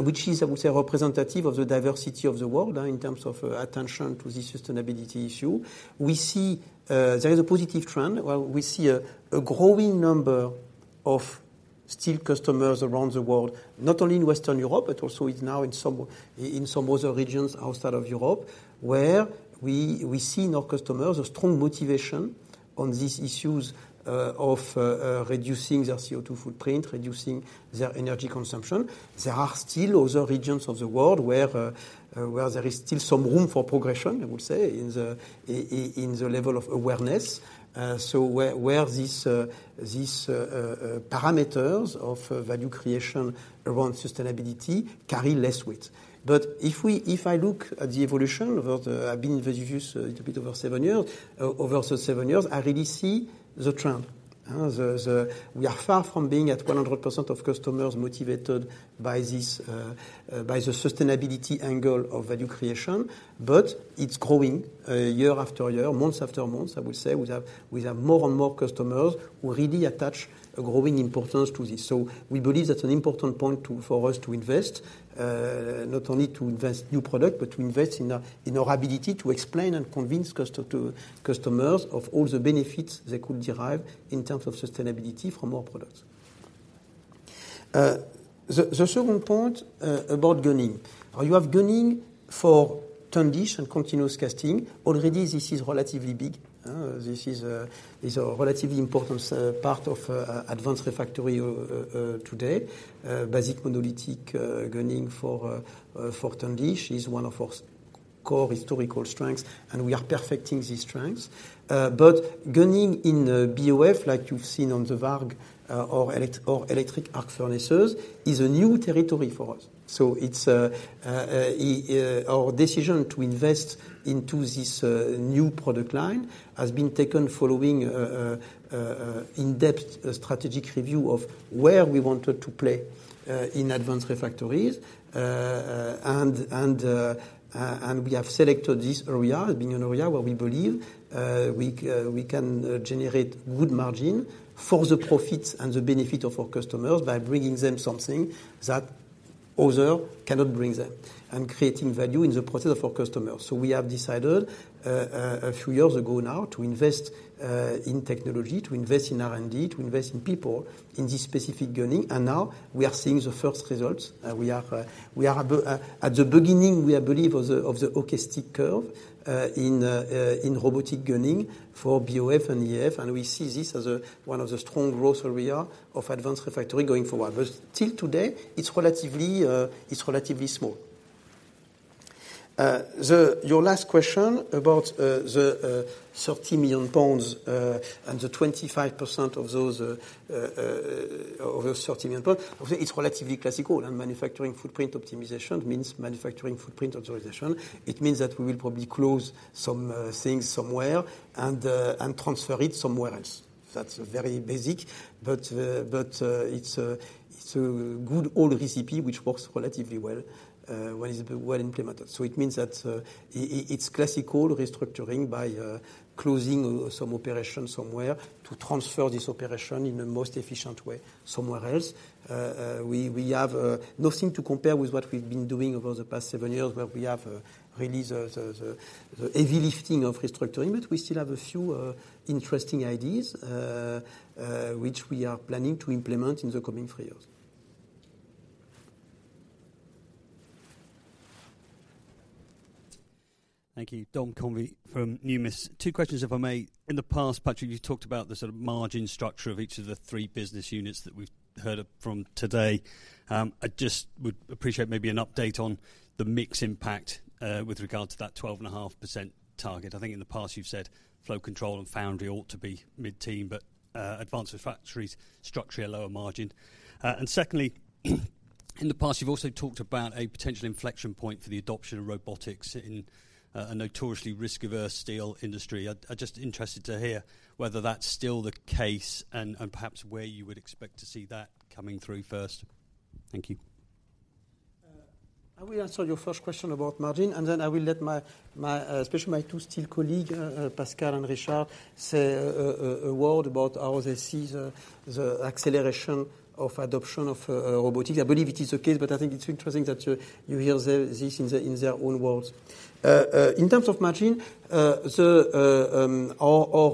S1: which is, I would say, representative of the diversity of the world in terms of attention to the sustainability issue. We see there is a positive trend, where we see a growing number of steel customers around the world, not only in Western Europe, but also it's now in some other regions outside of Europe, where we see in our customers a strong motivation on these issues of reducing their CO2 footprint, reducing their energy consumption. There are still other regions of the world where there is still some room for progression, I would say, in the level of awareness. So where this parameters of value creation around sustainability carry less weight. But if I look at the evolution of the... I've been in the business a little bit over seven years, over those seven years, I really see the trend. We are far from being at 100% of customers motivated by this, by the sustainability angle of value creation, but it's growing, year after year, months after months, I would say. We have more and more customers who really attach a growing importance to this. So we believe that's an important point to, for us to invest, not only to invest new product, but to invest in our, in our ability to explain and convince customers of all the benefits they could derive in terms of sustainability from our products. The second point, about gunning. You have gunning for tundish and continuous casting. Already, this is relatively big, this is a relatively important part of advanced refractories today. Basic monolithic gunning for tundish is one of our core historical strengths, and we are perfecting these strengths. But gunning in the BOF, like you've seen on the VARG, or electric arc furnaces, is a new territory for us. Our decision to invest into this new product line has been taken following an in-depth strategic review of where we wanted to play in Advanced Refractories. And we have selected this area, being an area where we believe we can generate good margin for the profits and the benefit of our customers by bringing them something that others cannot bring them, and creating value in the process of our customers. So we have decided, a few years ago now, to invest in technology, to invest in R&D, to invest in people, in this specific gunning, and now we are seeing the first results. We are at the beginning, we believe, of the S-curve in robotic gunning for BOF and EAF, and we see this as one of the strong growth area of advanced refractories going forward. But till today, it's relatively small. Your last question about the 30 million pounds and the 25% of those 30 million pounds, it's relatively classical, and manufacturing footprint optimization means manufacturing footprint optimization. It means that we will probably close some things somewhere and transfer it somewhere else. That's very basic, but it's a good old recipe, which works relatively well, when it's well implemented. So it means that it's classical restructuring by closing some operations somewhere to transfer this operation in the most efficient way somewhere else. We have nothing to compare with what we've been doing over the past seven years, where we have really the heavy lifting of restructuring, but we still have a few interesting ideas, which we are planning to implement in the coming three years.
S10: Thank you. Dom Convey from Numis. Two questions, if I may. In the past, Patrick, you talked about the sort of margin structure of each of the three business units that we've heard of from today. I just would appreciate maybe an update on the mix impact, with regard to that 12.5% target. I think in the past, you've said Flow Control and Foundry ought to be mid-teens, but, Advanced Refractories, structurally a lower margin. And secondly, in the past, you've also talked about a potential inflection point for the adoption of Robotics in a notoriously risk-averse steel industry. I'd, I'd just interested to hear whether that's still the case and, and perhaps where you would expect to see that coming through first. Thank you.
S1: I will answer your first question about margin, and then I will let my especially my two steel colleagues, Pascal and Richard, say a word about how they see the acceleration of adoption of robotics. I believe it is the case, but I think it's interesting that you hear this in their own words. In terms of margin, our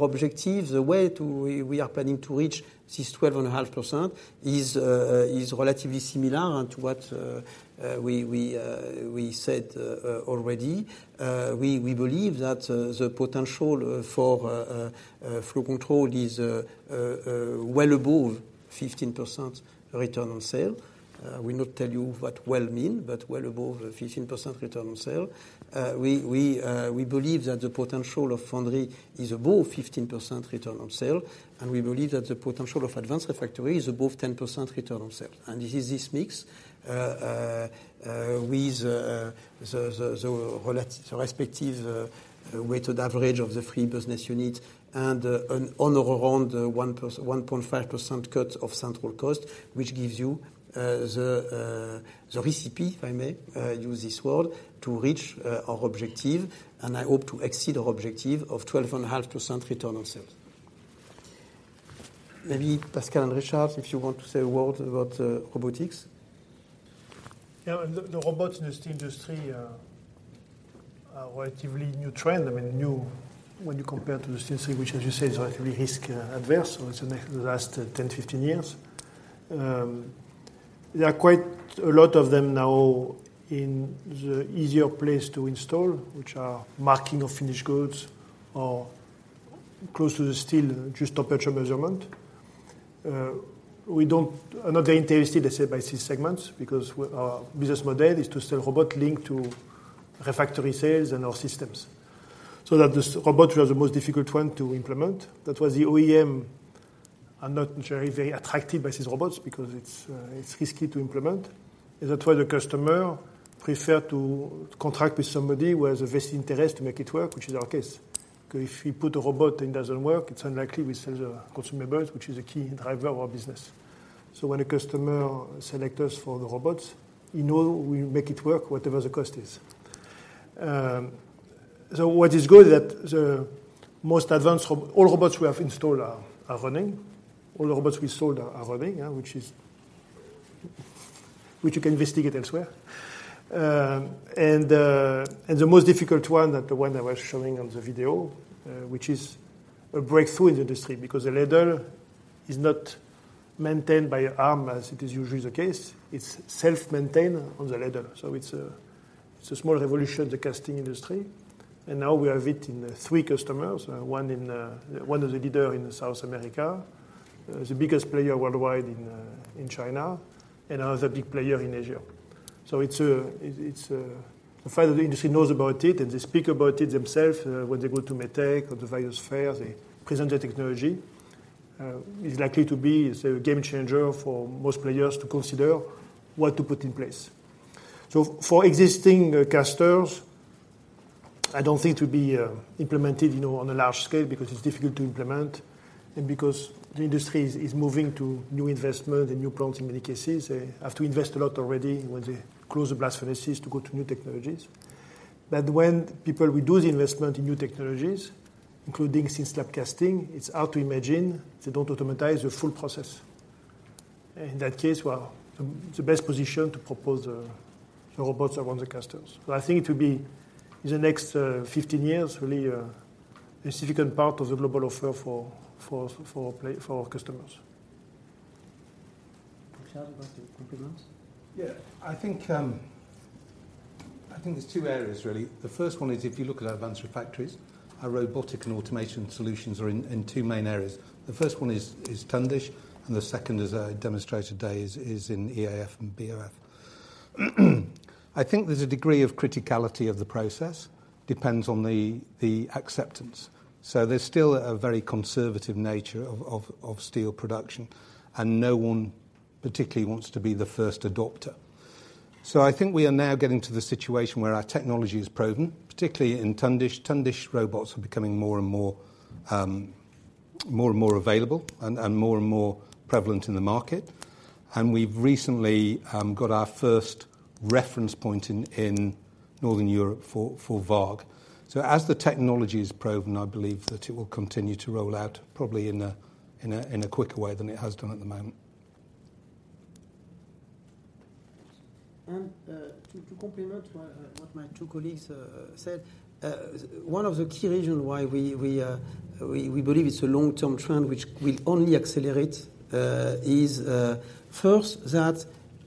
S1: objective, the way we are planning to reach this 12.5% is relatively similar to what we said already. We believe that the potential for flow control is well above 15% return on sale. We won't tell you what we'll mean, but well above 15% return on sale. We believe that the potential of foundry is above 15% return on sales, and we believe that the potential of advanced refractory is above 10% return on sales. This is the mix with the respective weighted average of the three business units and an honor around 1+1.5% cut of central cost, which gives you the recipe, if I may use this word, to reach our objective, and I hope to exceed our objective of 12.5% return on sales. Maybe Pascal and Richard, if you want to say a word about robotics.
S2: Yeah, the robots in the steel industry are a relatively new trend. I mean, new when you compare to the steel industry, which as you said, is relatively risk-averse, so it's the next the last 10, 15 years. There are quite a lot of them now in the easier place to install, which are marking of finished goods or close to the steel, just temperature measurement. We don't. Another interesting, let's say, by these segments, because business model is to sell robot link to refractory sales and our systems. So that this robot was the most difficult one to implement. That was the OEM, are not very, very attracted by these robots because it's, it's risky to implement. And that's why the customer prefer to contract with somebody who has a vested interest to make it work, which is our case. Because if we put a robot and it doesn't work, it's unlikely we sell the consumer goods, which is a key driver of our business. So when a customer select us for the robots, we know we make it work whatever the cost is. So what is good is that the most advanced robots we have installed are running. All robots we sold are running, which you can investigate elsewhere. And the most difficult one, the one I was showing on the video, which is a breakthrough in the industry, because the ladle is not maintained by an arm, as it is usually the case. It's self-maintained on the ladle. So it's a small revolution in the casting industry, and now we have it in 3 customers, one in... One of the leader in South America, the biggest player worldwide in China, and another big player in Asia. So it's finally the industry knows about it, and they speak about it themselves. When they go to METEC or the various fairs, they present the technology. It's likely to be a game changer for most players to consider what to put in place. So for existing casters, I don't think it will be implemented, you know, on a large scale because it's difficult to implement and because the industry is moving to new investment and new plants in many cases. They have to invest a lot already when they close the blast furnaces to go to new technologies. But when people will do the investment in new technologies, including thin slab casting, it's hard to imagine they don't automate the full process. In that case, well, the best position to propose the robots are on the casters. But I think it will be in the next 15 years, really, a significant part of the global offer for our customers.
S1: Richard, you want to comment?
S3: Yeah. I think, I think there's two areas, really. The first one is, if you look at our Advanced Refractories, our robotic and automation solutions are in two main areas. The first one is tundish, and the second, as I demonstrated today, is in EAF and BOF. I think there's a degree of criticality of the process, depends on the acceptance. So there's still a very conservative nature of steel production, and no one particularly wants to be the first adopter. So I think we are now getting to the situation where our technology is proven, particularly in tundish. Tundish robots are becoming more and more available and more and more prevalent in the market. And we've recently got our first reference point in Northern Europe for VARG. As the technology is proven, I believe that it will continue to roll out probably in a quicker way than it has done at the moment.
S1: To complement what my two colleagues said, one of the key reasons why we believe it's a long-term trend, which will only accelerate, is first,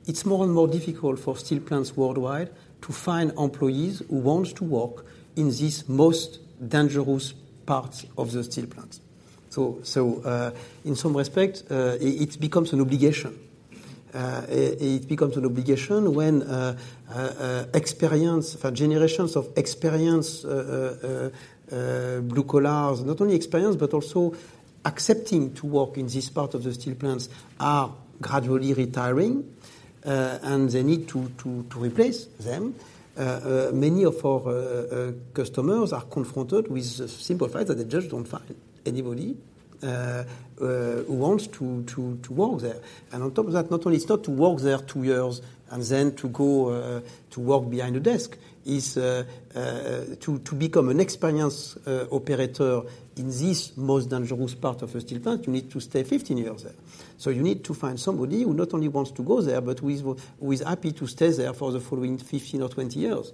S1: it's more and more difficult for steel plants worldwide to find employees who want to work in these most dangerous parts of the steel plants. So, in some respects, it becomes an obligation. It becomes an obligation when experience for generations of experience blue collars, not only experience, but also accepting to work in this part of the steel plants are gradually retiring, and they need to replace them. Many of our customers are confronted with the simple fact that they just don't find anybody who wants to work there. And on top of that, not only it's not to work there two years and then to go to work behind a desk, is to become an experienced operator in this most dangerous part of a steel plant, you need to stay 15 years there. So you need to find somebody who not only wants to go there, but who is happy to stay there for the following 15 or 20 years.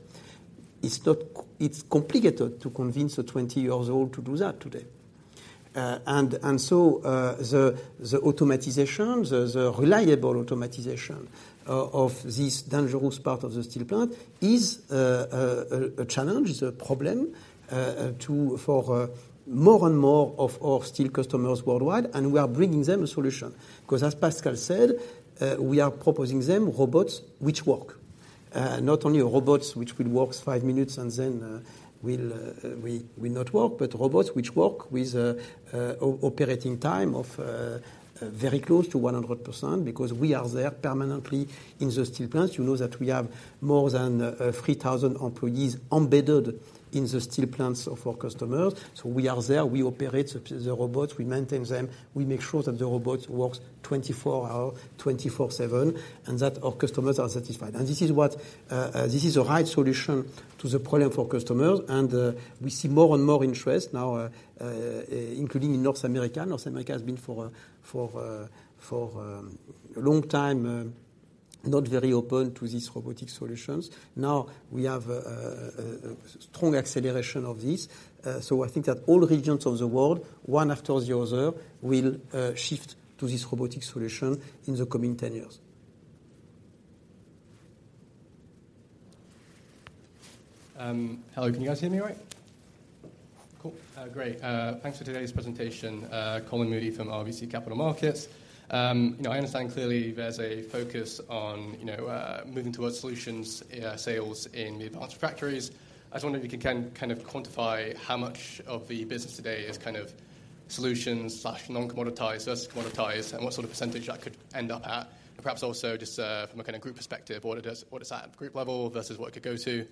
S1: It's not, it's complicated to convince a 20-year-old to do that today. So, the reliable automatization of this dangerous part of the steel plant is a challenge, is a problem for more and more of our steel customers worldwide, and we are bringing them a solution. 'Cause as Pascal said, we are proposing them robots which work. Not only robots which will works five minutes and then will not work, but robots which work with operating time of very close to 100% because we are there permanently in the steel plants of our customers. You know that we have more than 3,000 employees embedded in the steel plants of our customers. So we are there, we operate the, the robots, we maintain them, we make sure that the robots works 24-hour, 24/7, and that our customers are satisfied. And this is what, this is the right solution to the problem for customers, and, we see more and more interest now, including in North America. North America has been for, for, for, a long time, not very open to these robotic solutions. Now, we have, strong acceleration of this. So I think that all regions of the world, one after the other, will, shift to this robotic solution in the coming 10 years.
S11: Hello, can you guys hear me all right? Cool. Great. Thanks for today's presentation. Colin Sherwood from RBC Capital Markets. You know, I understand clearly there's a focus on, you know, moving towards solutions sales in the Advanced Refractories. I just wonder if you can kind of quantify how much of the business today is kind of solutions/non-commoditized versus commoditized, and what sort of percentage that could end up at? And perhaps also just from a kind of group perspective, what it is at group level versus what it could go to.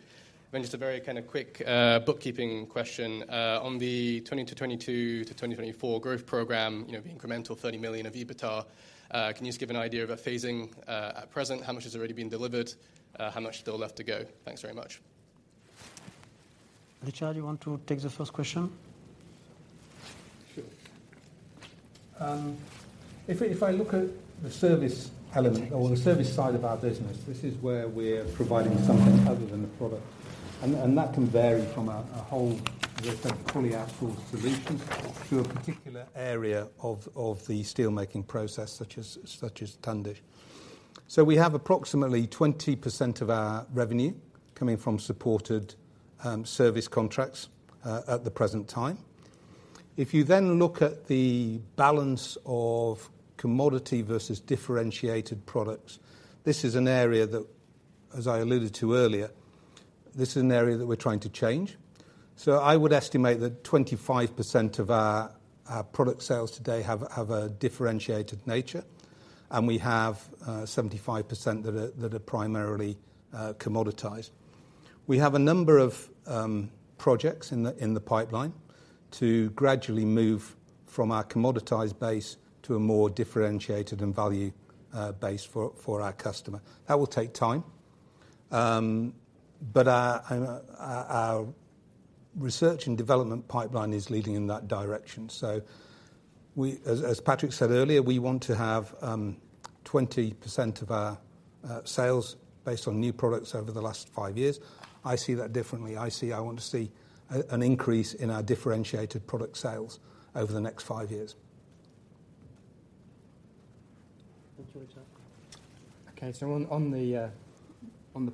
S11: Then just a very kind of quick bookkeeping question. On the 2020 to 2022 to 2024 growth program, you know, the incremental 30 million of EBITDA, can you just give an idea of a phasing, at present, how much has already been delivered, how much still left to go? Thanks very much.
S1: Richard, you want to take the first question?
S3: Sure. If I, if I look at the service element or the service side of our business, this is where we're providing something other than a product. And, and that can vary from a, a whole, let's say, fully outsource solution to a particular area of, of the steelmaking process, such as, such as Tundish. So we have approximately 20% of our revenue coming from supported service contracts at the present time. If you then look at the balance of commodity versus differentiated products, this is an area that, as I alluded to earlier, this is an area that we're trying to change. So I would estimate that 25% of our product sales today have, have a differentiated nature, and we have 75% that are, that are primarily commoditized. We have a number of projects in the pipeline to gradually move from our commoditized base to a more differentiated and value base for our customer. That will take time. But our research and development pipeline is leading in that direction. So, as Patrick said earlier, we want to have 20% of our sales based on new products over the last five years. I see that differently. I want to see an increase in our differentiated product sales over the next five years.
S1: Thanks, Richard.
S5: Okay, so on the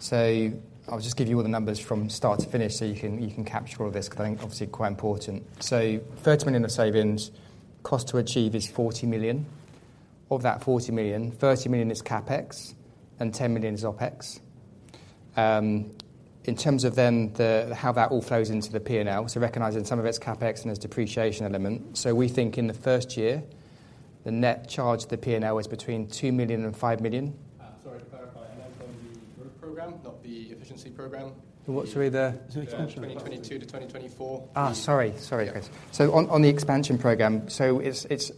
S5: program, I'll just give you all the numbers from start to finish so you can capture all this, because I think obviously quite important. So 30 million of savings, cost to achieve is 40 million. Of that 40 million, 30 million is CapEx and 10 million is OpEx. In terms of then the how that all flows into the P&L, so recognizing some of it's CapEx and there's depreciation element. So we think in the first year, the net charge to the P&L is between 2 million and 5 million.
S11: Sorry to clarify, and then from the growth program, not the efficiency program?
S5: Sorry, the-
S1: The expansion.
S11: The 2022 to 2024.
S5: Sorry, guys. So on the expansion program, it's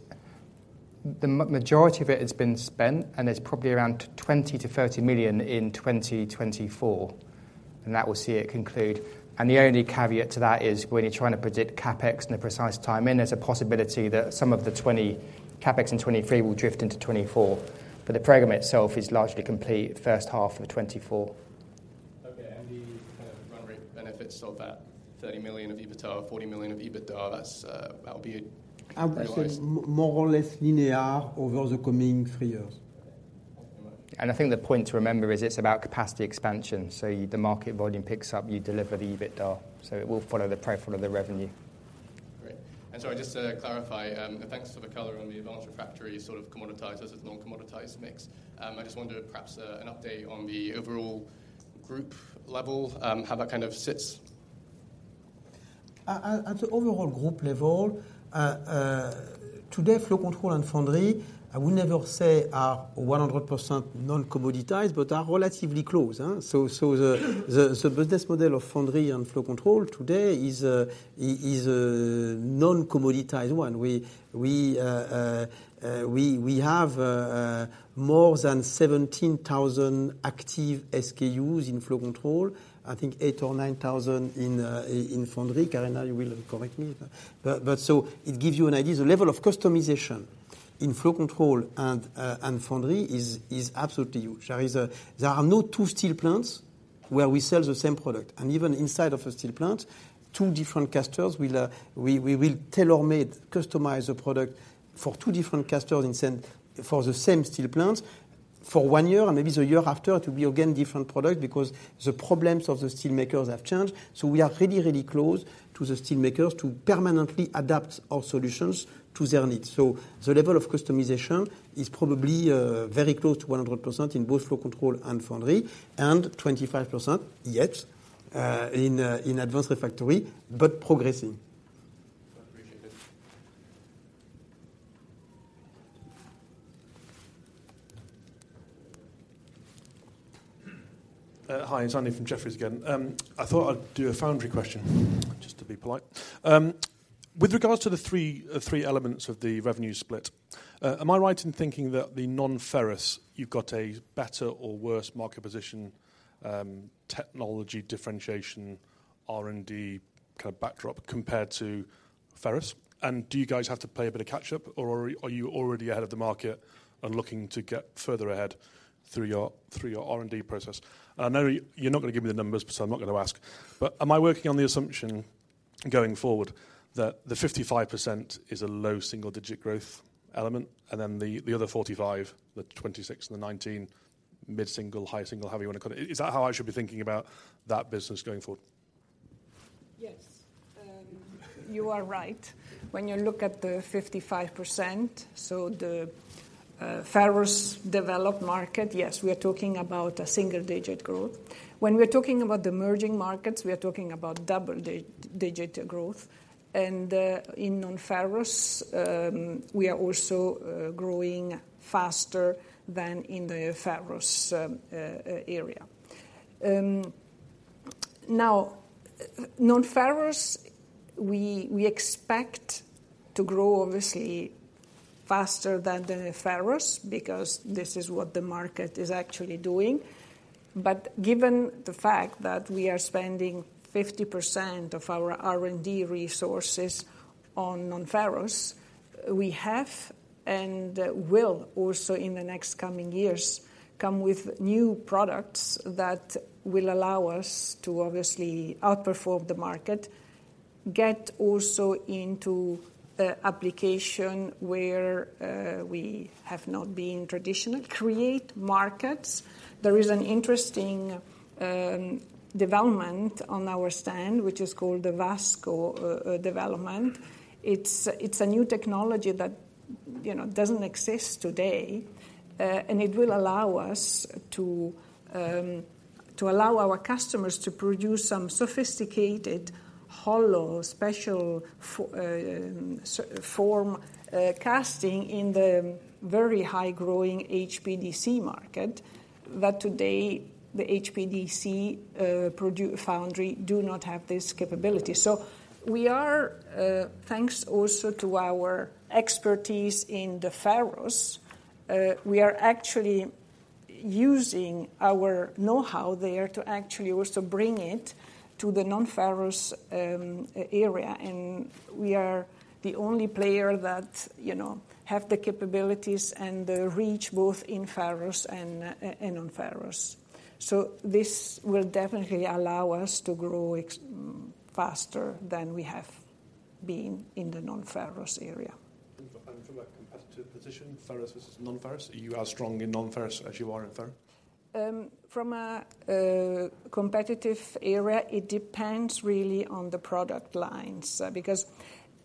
S5: the majority of it has been spent, and there's probably around 20 million-30 million in 2024, and that will see it conclude. The only caveat to that is when you're trying to predict CapEx and the precise timing, there's a possibility that some of the 2023 CapEx will drift into 2024. But the program itself is largely complete the first half of 2024.
S11: Okay, and the kind of run rate benefits of that 30 million of EBITDA, 40 million of EBITDA, that's, that'll be realized?
S1: I would say more or less linear over the coming three years.
S5: I think the point to remember is it's about capacity expansion. The market volume picks up, you deliver the EBITDA, so it will follow the profile of the revenue.
S11: Great. Sorry, just to clarify, thanks for the color on the advanced refractory, sort of, commoditized as non-commoditized mix. I just wondered perhaps, an update on the overall group level, how that kind of sits?
S1: At the overall group level, today, Flow Control and Foundry, I would never say are 100% non-commoditized, but are relatively close, huh? So, the business model of Foundry and Flow Control today is a non-commoditized one. We have more than 17,000 active SKUs in Flow Control, I think 8,000 or 9,000 in Foundry. Karena, you will correct me. But so it gives you an idea. The level of customization in Flow Control and Foundry is absolutely huge. There are no two steel plants where we sell the same product, and even inside of a steel plant, two different customers will, we, we will tailor-made, customize a product for two different customers and send for the same steel plants for one year, and maybe the year after, it will be again, different product, because the problems of the steelmakers have changed. So we are really, really close to the steelmakers to permanently adapt our solutions to their needs. So the level of customization is probably, very close to 100% in both Flow Control and Foundry, and 25% yet, in Advanced Refractories, but progressing.
S11: I appreciate it.
S6: Hi, it's Andy from Jefferies again. I thought I'd do a Foundry question, just to be polite. With regards to the three, the three elements of the revenue split, am I right in thinking that the non-ferrous, you've got a better or worse market position, technology differentiation, R&D kind of backdrop compared to ferrous? And do you guys have to play a bit of catch-up, or are you already ahead of the market and looking to get further ahead through your, through your R&D process? And I know you're not going to give me the numbers, so I'm not going to ask. But am I working on the assumption, going forward, that the 55% is a low single-digit growth element, and then the, the other 45, the 26 and the 19, mid-single, high single, however you want to call it? Is that how I should be thinking about that business going forward?
S4: Yes. You are right. When you look at the 55%, so the ferrous developed market, yes, we are talking about a single-digit growth. When we're talking about the emerging markets, we are talking about double-digit growth. And in non-ferrous, we are also growing faster than in the ferrous area. Now, non-ferrous, we expect to grow, obviously, faster than the ferrous, because this is what the market is actually doing. But given the fact that we are spending 50% of our R&D resources on non-ferrous, we have and will also, in the next coming years, come with new products that will allow us to obviously outperform the market, get also into application where we have not been traditional, create markets. There is an interesting development on our stand, which is called the Vasco development. It's a new technology that, you know, doesn't exist today, and it will allow us to allow our customers to produce some sophisticated, hollow, special form casting in the very high-growing HPDC market, that today, the HPDC foundry do not have this capability. So we are, thanks also to our expertise in the ferrous, we are actually using our know-how there to actually also bring it to the non-ferrous area. And we are the only player that, you know, have the capabilities and the reach both in ferrous and non-ferrous. So this will definitely allow us to grow faster than we have been in the non-ferrous area.
S6: From a competitive position, ferrous versus non-ferrous, you are strong in non-ferrous as you are in ferrous?
S4: From a competitive area, it depends really on the product lines. Because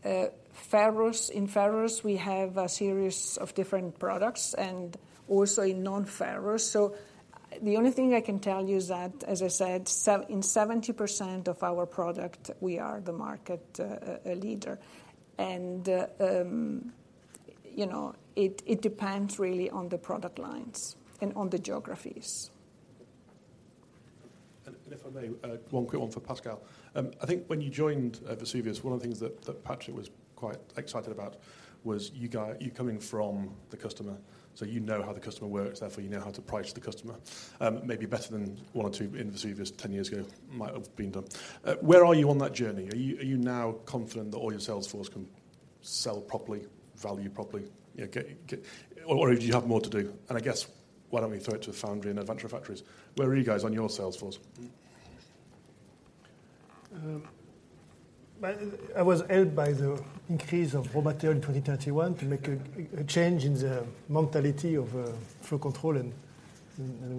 S4: in ferrous we have a series of different products and also in non-ferrous. So the only thing I can tell you is that, as I said, in 70% of our product, we are the market leader. And, you know, it depends really on the product lines and on the geographies.
S6: If I may, one quick one for Pascal. I think when you joined Vesuvius, one of the things that Patrick was quite excited about was you coming from the customer, so you know how the customer works, therefore, you know how to price the customer, maybe better than one or two in Vesuvius ten years ago might have been done. Where are you on that journey? Are you now confident that all your sales force can sell properly, value properly? You know, get, or do you have more to do? And I guess, why don't we throw it to Foundry and Advanced Refractories? Where are you guys on your sales force?
S2: Well, I was helped by the increase of raw material in 2021 to make a change in the mentality of flow control. And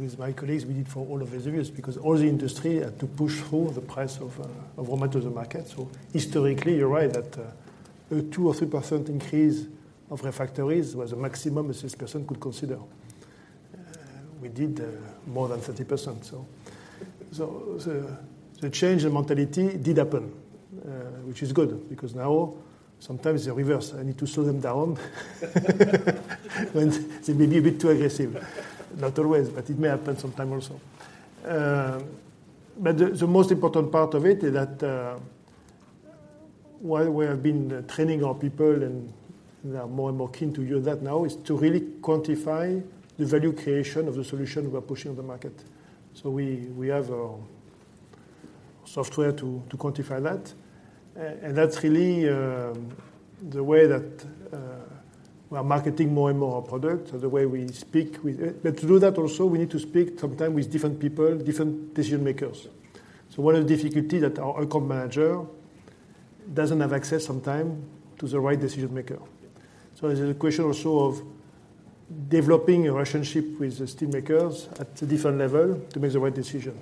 S2: with my colleagues, we did for all of the areas, because all the industry had to push through the price of raw material to the market. So historically, you're right, that a 2% or 3% increase of refractories was the maximum a sales person could consider. We did more than 30%. So the change in mentality did happen, which is good, because now sometimes it's the reverse. I need to slow them down when they may be a bit too aggressive. Not always, but it may happen sometime also. But the most important part of it is that while we have been training our people, and they are more and more keen to use that now, is to really quantify the value creation of the solution we are pushing on the market. So we have a software to quantify that. And that's really the way that we are marketing more and more our product, the way we speak with it. But to do that also, we need to speak sometime with different people, different decision-makers. So one of the difficulty that our account manager doesn't have access sometime to the right decision maker. So it is a question also of developing a relationship with the steel makers at a different level to make the right decision.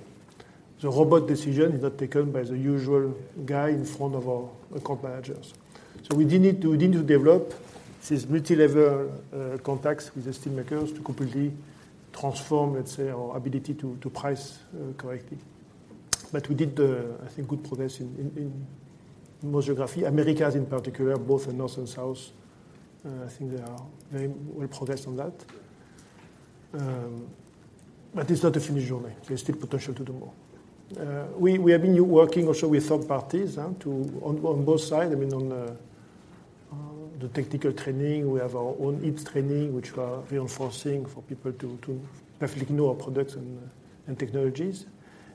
S2: The robot decision is not taken by the usual guy in front of our account managers. So we did need to, we need to develop this multi-level contacts with the steel makers to completely transform, let's say, our ability to price correctly. But we did, I think, good progress in most geography. Americas in particular, both in North and South, I think they are very well progressed on that. But it's not a finished journey. There's still potential to do more. We have been working also with third parties to on both sides. I mean, on the technical training, we have our own EAPS training, which we are reinforcing for people to perfectly know our products and technologies.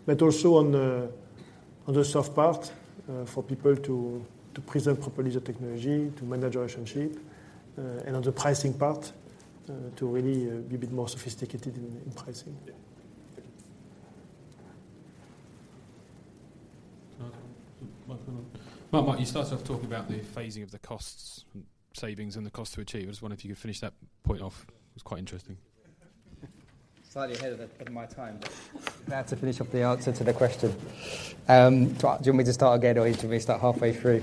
S2: But also on the soft part for people to present properly the technology, to manage the relationship, and on the pricing part to really be a bit more sophisticated in pricing.
S6: Yeah. Well, Mark, you started off talking about the phasing of the costs, savings and the cost to achieve. I just wonder if you could finish that point off. It was quite interesting.
S5: Slightly ahead of the of my time. Now to finish up the answer to the question. Do you want me to start again, or do you want me to start halfway through?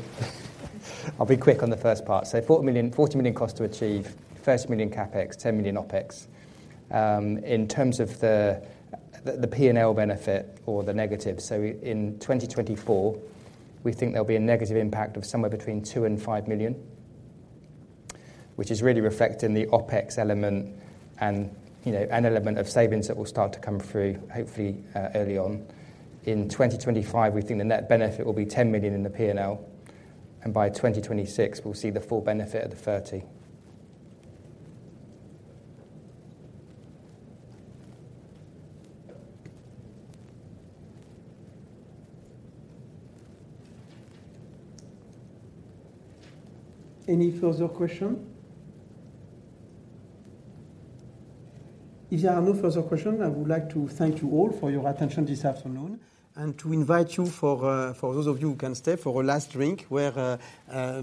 S5: I'll be quick on the first part. So 40 million, 40 million cost to achieve, 30 million CapEx, 10 million OpEx. In terms of the P&L benefit or the negative, so in 2024, we think there'll be a negative impact of somewhere between 2 million and 5 million, which is really reflecting the OpEx element and, you know, an element of savings that will start to come through hopefully early on. In 2025, we think the net benefit will be 10 million in the P&L, and by 2026, we'll see the full benefit of the 30.
S2: Any further question? If there are no further question, I would like to thank you all for your attention this afternoon, and to invite you for those of you who can stay for a last drink, where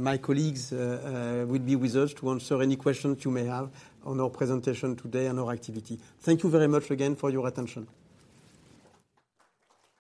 S2: my colleagues will be with us to answer any questions you may have on our presentation today and our activity. Thank you very much again for your attention.